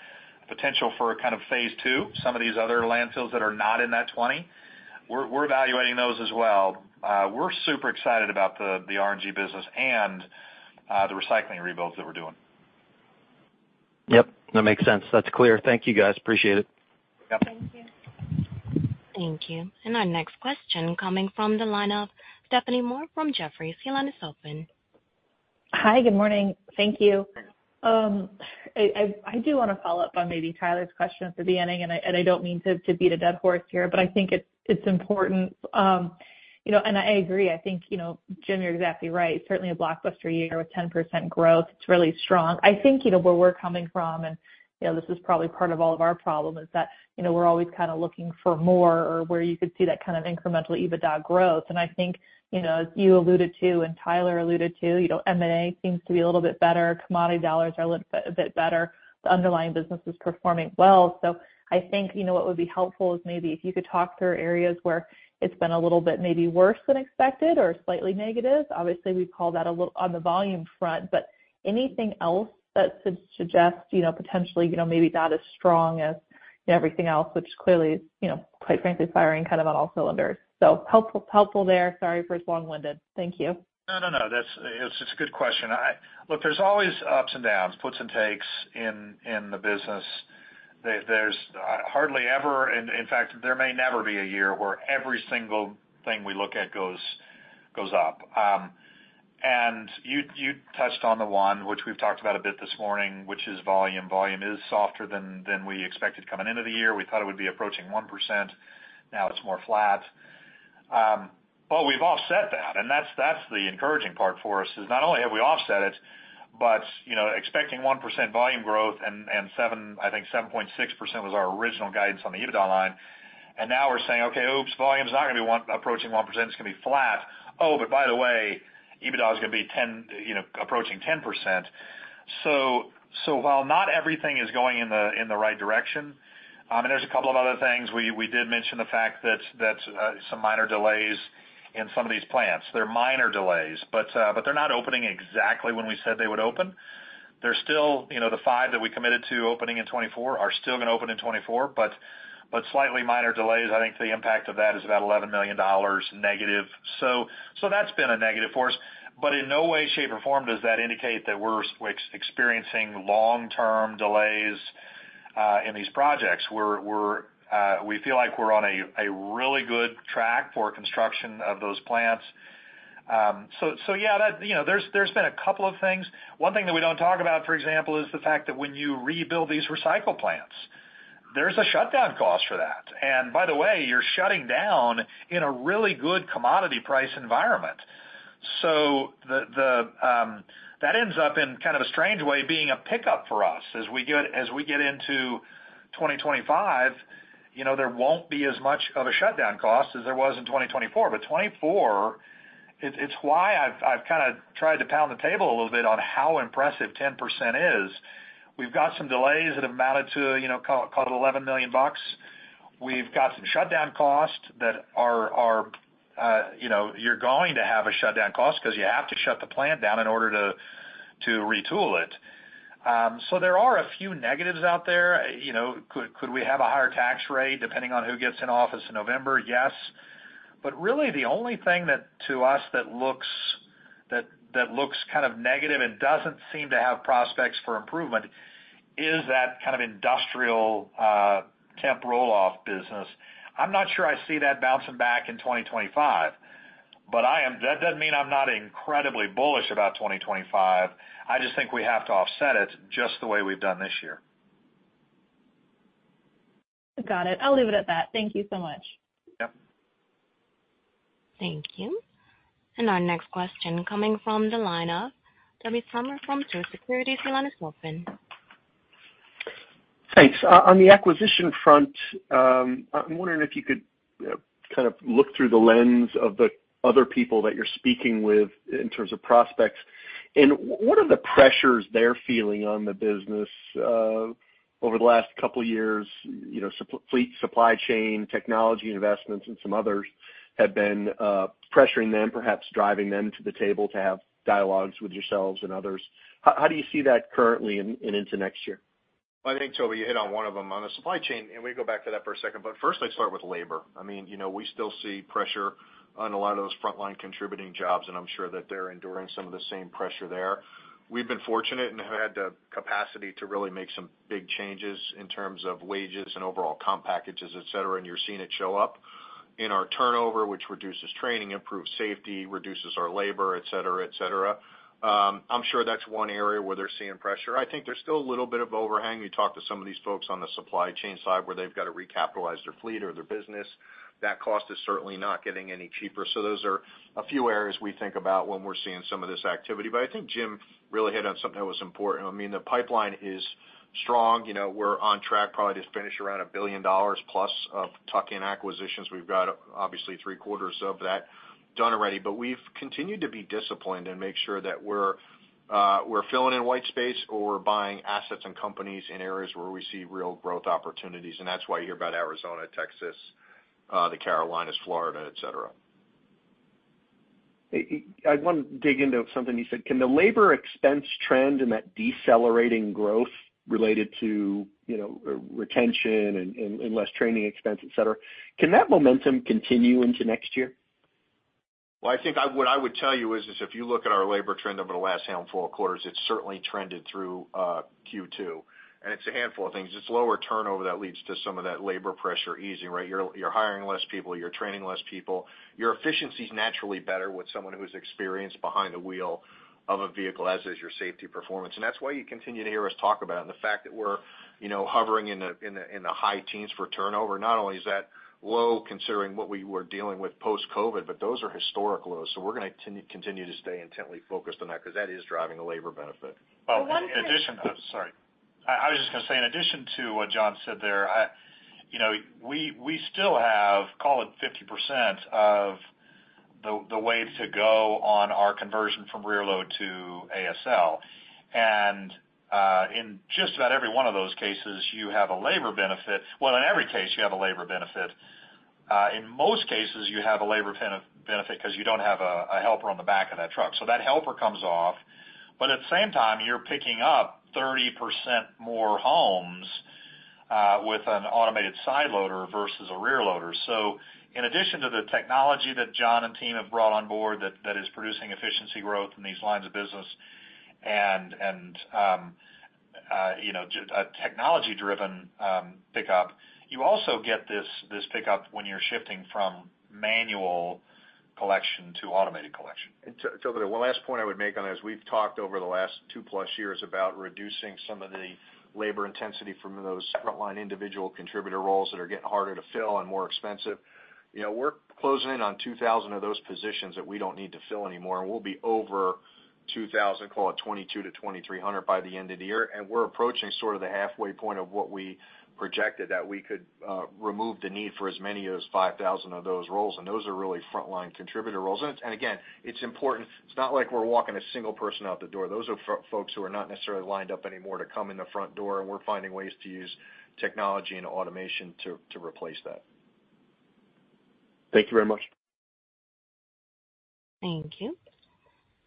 potential for kind of phase two, some of these other landfills that are not in that 20. We're evaluating those as well. We're super excited about the RNG business and the recycling rebuilds that we're doing. Yep. That makes sense. That's clear. Thank you, guys. Appreciate it. Thank you. Thank you. And our next question coming from the line of Stephanie Moore from Jefferies. Your line is open. Hi. Good morning. Thank you. I do want to follow up on maybe Tyler's question at the beginning. And I don't mean to beat a dead horse here, but I think it's important. And I agree. I think, Jim, you're exactly right. Certainly a blockbuster year with 10% growth. It's really strong. I think where we're coming from, and this is probably part of all of our problem, is that we're always kind of looking for more or where you could see that kind of incremental EBITDA growth. And I think, as you alluded to and Tyler alluded to, M&A seems to be a little bit better. Commodity dollars are a bit better. The underlying business is performing well. So I think what would be helpful is maybe if you could talk through areas where it's been a little bit maybe worse than expected or slightly negative. Obviously, we call that on the volume front, but anything else that suggests potentially maybe not as strong as everything else, which clearly is, quite frankly, firing kind of on all cylinders. So helpful there. Sorry, it's long-winded. Thank you. No, no, no. It's a good question. Look, there's always ups and downs, puts and takes in the business. There's hardly ever, in fact, there may never be a year where every single thing we look at goes up. And you touched on the one, which we've talked about a bit this morning, which is volume. Volume is softer than we expected coming into the year. We thought it would be approaching 1%. Now it's more flat. But we've offset that. And that's the encouraging part for us, is not only have we offset it, but expecting 1% volume growth and I think 7.6% was our original guidance on the EBITDA line. And now we're saying, "Okay, oops, volume is not going to be approaching 1%. It's going to be flat." Oh, but by the way, EBITDA is going to be approaching 10%. So while not everything is going in the right direction, I mean, there's a couple of other things. We did mention the fact that some minor delays in some of these plants. They're minor delays, but they're not opening exactly when we said they would open. They're still the five that we committed to opening in 2024 are still going to open in 2024, but slightly minor delays. I think the impact of that is about $11 million negative. So that's been a negative force. But in no way, shape, or form does that indicate that we're experiencing long-term delays in these projects. We feel like we're on a really good track for construction of those plants. So yeah, there's been a couple of things. One thing that we don't talk about, for example, is the fact that when you rebuild these recycling plants, there's a shutdown cost for that. By the way, you're shutting down in a really good commodity price environment. So that ends up in kind of a strange way being a pickup for us. As we get into 2025, there won't be as much of a shutdown cost as there was in 2024. But 2024, it's why I've kind of tried to pound the table a little bit on how impressive 10% is. We've got some delays that have amounted to, call it $11 million. We've got some shutdown costs that are you're going to have a shutdown cost because you have to shut the plant down in order to retool it. So there are a few negatives out there. Could we have a higher tax rate depending on who gets in office in November? Yes. But really, the only thing to us that looks kind of negative and doesn't seem to have prospects for improvement is that kind of industrial temp roll-off business. I'm not sure I see that bouncing back in 2025, but that doesn't mean I'm not incredibly bullish about 2025. I just think we have to offset it just the way we've done this year. Got it. I'll leave it at that. Thank you so much. Yep. Thank you. And our next question coming from the line of Tobey Sommer from Truist Securities, your line is open. Thanks. On the acquisition front, I'm wondering if you could kind of look through the lens of the other people that you're speaking with in terms of prospects. What are the pressures they're feeling on the business over the last couple of years? Fleet, supply chain, technology investments, and some others have been pressuring them, perhaps driving them to the table to have dialogues with yourselves and others. How do you see that currently and into next year? Well, I think, Tobey, you hit on one of them. On the supply chain, and we go back to that for a second, but first, let's start with labor. I mean, we still see pressure on a lot of those frontline contributing jobs, and I'm sure that they're enduring some of the same pressure there. We've been fortunate and have had the capacity to really make some big changes in terms of wages and overall comp packages, etc. And you're seeing it show up in our turnover, which reduces training, improves safety, reduces our labor, etc., etc. I'm sure that's one area where they're seeing pressure. I think there's still a little bit of overhang. You talk to some of these folks on the supply chain side where they've got to recapitalize their fleet or their business. That cost is certainly not getting any cheaper. So those are a few areas we think about when we're seeing some of this activity. But I think Jim really hit on something that was important. I mean, the pipeline is strong. We're on track probably to finish around $1 billion plus of tuck-in acquisitions. We've got obviously three quarters of that done already. But we've continued to be disciplined and make sure that we're filling in white space or we're buying assets and companies in areas where we see real growth opportunities. And that's why you hear about Arizona, Texas, the Carolinas, Florida, etc. I want to dig into something you said. Can the labor expense trend and that decelerating growth related to retention and less training expense, etc.? Can that momentum continue into next year? Well, I think what I would tell you is if you look at our labor trend over the last handful of quarters, it's certainly trended through Q2. And it's a handful of things. It's lower turnover that leads to some of that labor pressure easing, right? You're hiring less people. You're training less people. Your efficiency is naturally better with someone who's experienced behind the wheel of a vehicle, as is your safety performance. And that's why you continue to hear us talk about it and the fact that we're hovering in the high teens for turnover. Not only is that low considering what we were dealing with post-COVID, but those are historic lows. So we're going to continue to stay intently focused on that because that is driving the labor benefit. Well, one thing. In addition to that, sorry. I was just going to say, in addition to what John said there, we still have, call it 50% of the way to go on our conversion from rear load to ASL. And in just about every one of those cases, you have a labor benefit. Well, in every case, you have a labor benefit. In most cases, you have a labor benefit because you don't have a helper on the back of that truck. So that helper comes off. But at the same time, you're picking up 30% more homes with an automated side loader versus a rear loader. So in addition to the technology that John and team have brought on board that is producing efficiency growth in these lines of business and a technology-driven pickup, you also get this pickup when you're shifting from manual collection to automated collection. Tobey, one last point I would make on that is we've talked over the last two-plus years about reducing some of the labor intensity from those frontline individual contributor roles that are getting harder to fill and more expensive. We're closing in on 2,000 of those positions that we don't need to fill anymore. We'll be over 2,000, call it 2,200-2,300 by the end of the year. We're approaching sort of the halfway point of what we projected that we could remove the need for as many as 5,000 of those roles. Those are really frontline contributor roles. And again, it's important. It's not like we're walking a single person out the door. Those are folks who are not necessarily lined up anymore to come in the front door. We're finding ways to use technology and automation to replace that. Thank you very much. Thank you.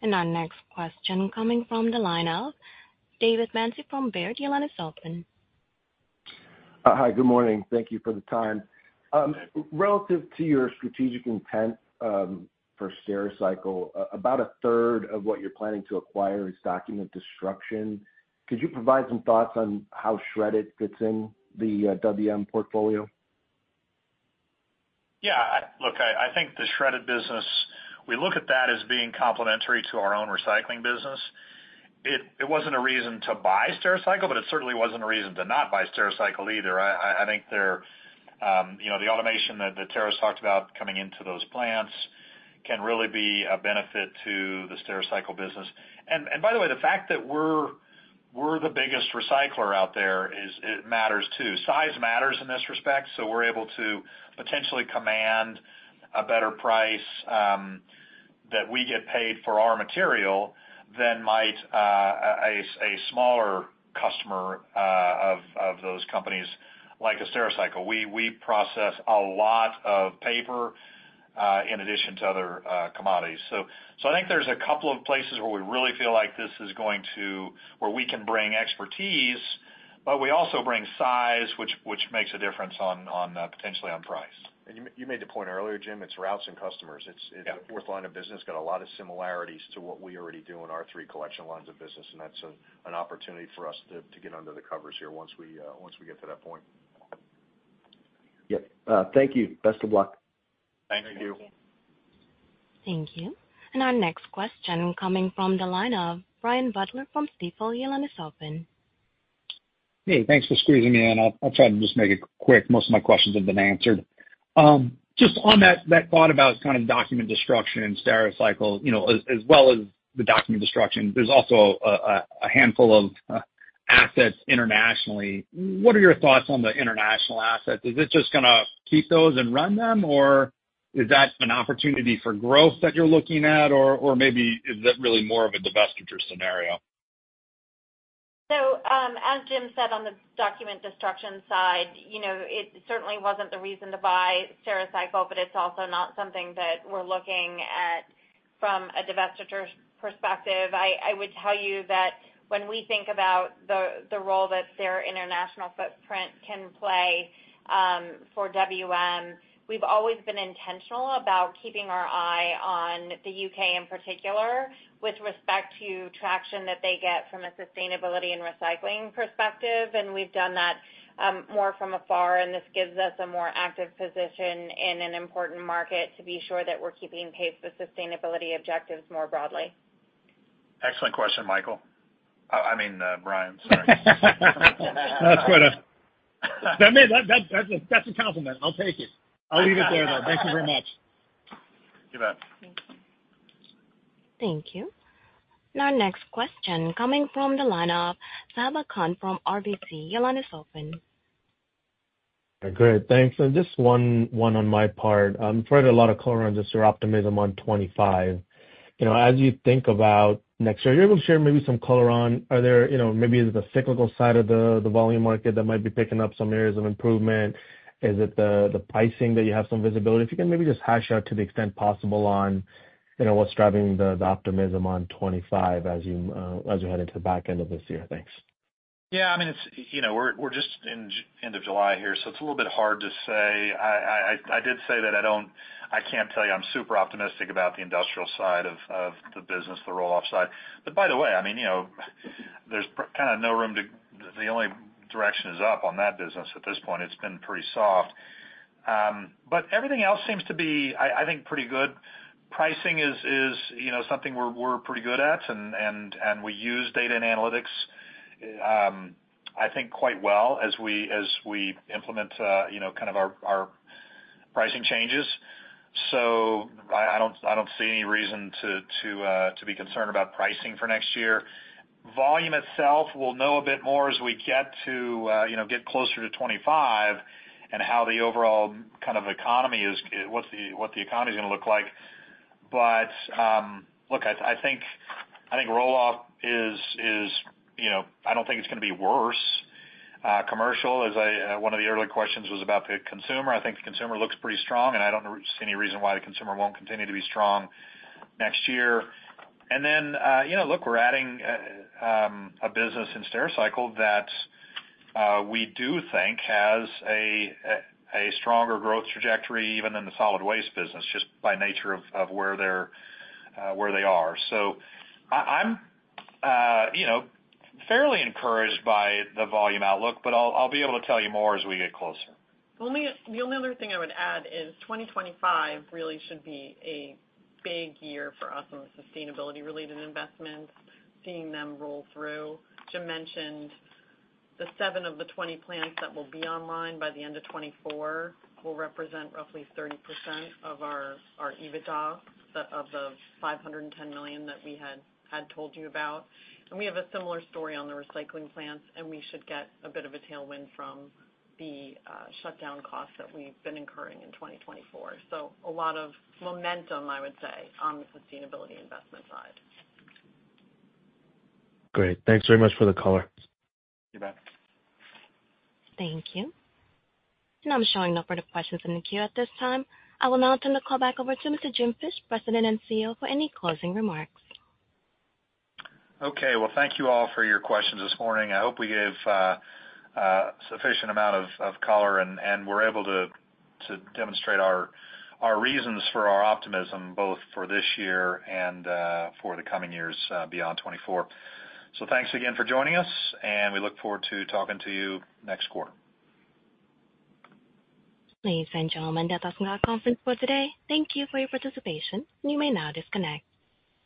And our next question coming from the line of David Manthey from Baird, your line is open. Hi, good morning. Thank you for the time. Relative to your strategic intent for Stericycle, about a third of what you're planning to acquire is document destruction. Could you provide some thoughts on how Shred-it fits in the WM portfolio? Yeah. Look, I think the Shred-it business, we look at that as being complementary to our own recycling business. It wasn't a reason to buy Stericycle, but it certainly wasn't a reason to not buy Stericycle either. I think the automation that Tara's talked about coming into those plants can really be a benefit to the Stericycle business. And by the way, the fact that we're the biggest recycler out there matters too. Size matters in this respect. So we're able to potentially command a better price that we get paid for our material than might a smaller customer of those companies like a Stericycle. We process a lot of paper in addition to other commodities. So I think there's a couple of places where we really feel like this is going to where we can bring expertise, but we also bring size, which makes a difference potentially on price. And you made the point earlier, Jim, it's routes and customers. The fourth line of business got a lot of similarities to what we already do in our three collection lines of business. And that's an opportunity for us to get under the covers here once we get to that point. Yep. Thank you. Best of luck. Thank you. Thank you. Thank you. And our next question coming from the line of Brian Butler from Stifel. Your line is open. Hey, thanks for squeezing me in. I'll try and just make it quick. Most of my questions have been answered. Just on that thought about kind of document destruction and Stericycle, as well as the document destruction, there's also a handful of assets internationally. What are your thoughts on the international assets? Is it just going to keep those and run them, or is that an opportunity for growth that you're looking at, or maybe is that really more of a divestiture scenario? So as Jim said on the document destruction side, it certainly wasn't the reason to buy Stericycle, but it's also not something that we're looking at from a divestiture perspective. I would tell you that when we think about the role that their international footprint can play for WM, we've always been intentional about keeping our eye on the UK in particular with respect to traction that they get from a sustainability and recycling perspective. We've done that more from afar. This gives us a more active position in an important market to be sure that we're keeping pace with sustainability objectives more broadly. Excellent question, Michael. I mean, Brian, sorry. That's quite a—that's a compliment. I'll take it. I'll leave it there, though. Thank you very much. You bet. Thank you. Our next question coming from the line of Sabahat Khan from RBC. Your line is open. Great. Thanks. Just one on my part. I'm throwing a lot of color on just your optimism on 2025. As you think about next year, are you able to share maybe some color on maybe the cyclical side of the volume market that might be picking up some areas of improvement? Is it the pricing that you have some visibility? If you can maybe just hash out to the extent possible on what's driving the optimism on 2025 as you head into the back end of this year. Thanks. Yeah. I mean, we're just in the end of July here, so it's a little bit hard to say. I did say that I can't tell you I'm super optimistic about the industrial side of the business, the roll-off side. But by the way, I mean, there's kind of no room to—the only direction is up on that business at this point. It's been pretty soft. But everything else seems to be, I think, pretty good. Pricing is something we're pretty good at, and we use data and analytics, I think, quite well as we implement kind of our pricing changes. So I don't see any reason to be concerned about pricing for next year. Volume itself, we'll know a bit more as we get closer to 2025 and how the overall kind of economy is—what the economy is going to look like. But look, I think roll-off is—I don't think it's going to be worse. Commercial, as one of the early questions was about the consumer, I think the consumer looks pretty strong, and I don't see any reason why the consumer won't continue to be strong next year. And then, look, we're adding a business in Stericycle that we do think has a stronger growth trajectory even than the solid waste business just by nature of where they are. So I'm fairly encouraged by the volume outlook, but I'll be able to tell you more as we get closer. The only other thing I would add is 2025 really should be a big year for us on the sustainability-related investments, seeing them roll through. Jim mentioned the seven of the 20 plants that will be online by the end of 2024 will represent roughly 30% of our EBITDA of the $510 million that we had told you about. We have a similar story on the recycling plants, and we should get a bit of a tailwind from the shutdown costs that we've been incurring in 2024. A lot of momentum, I would say, on the sustainability investment side. Great. Thanks very much for the color. You bet. Thank you. And I'm showing no further questions in the queue at this time. I will now turn the call back over to Mr. Jim Fish, President and CEO, for any closing remarks. Okay. Well, thank you all for your questions this morning. I hope we gave sufficient amount of color and were able to demonstrate our reasons for our optimism both for this year and for the coming years beyond 2024. So thanks again for joining us, and we look forward to talking to you next quarter. Ladies and gentlemen, that does conclude our conference for today. Thank you for your participation. You may now disconnect.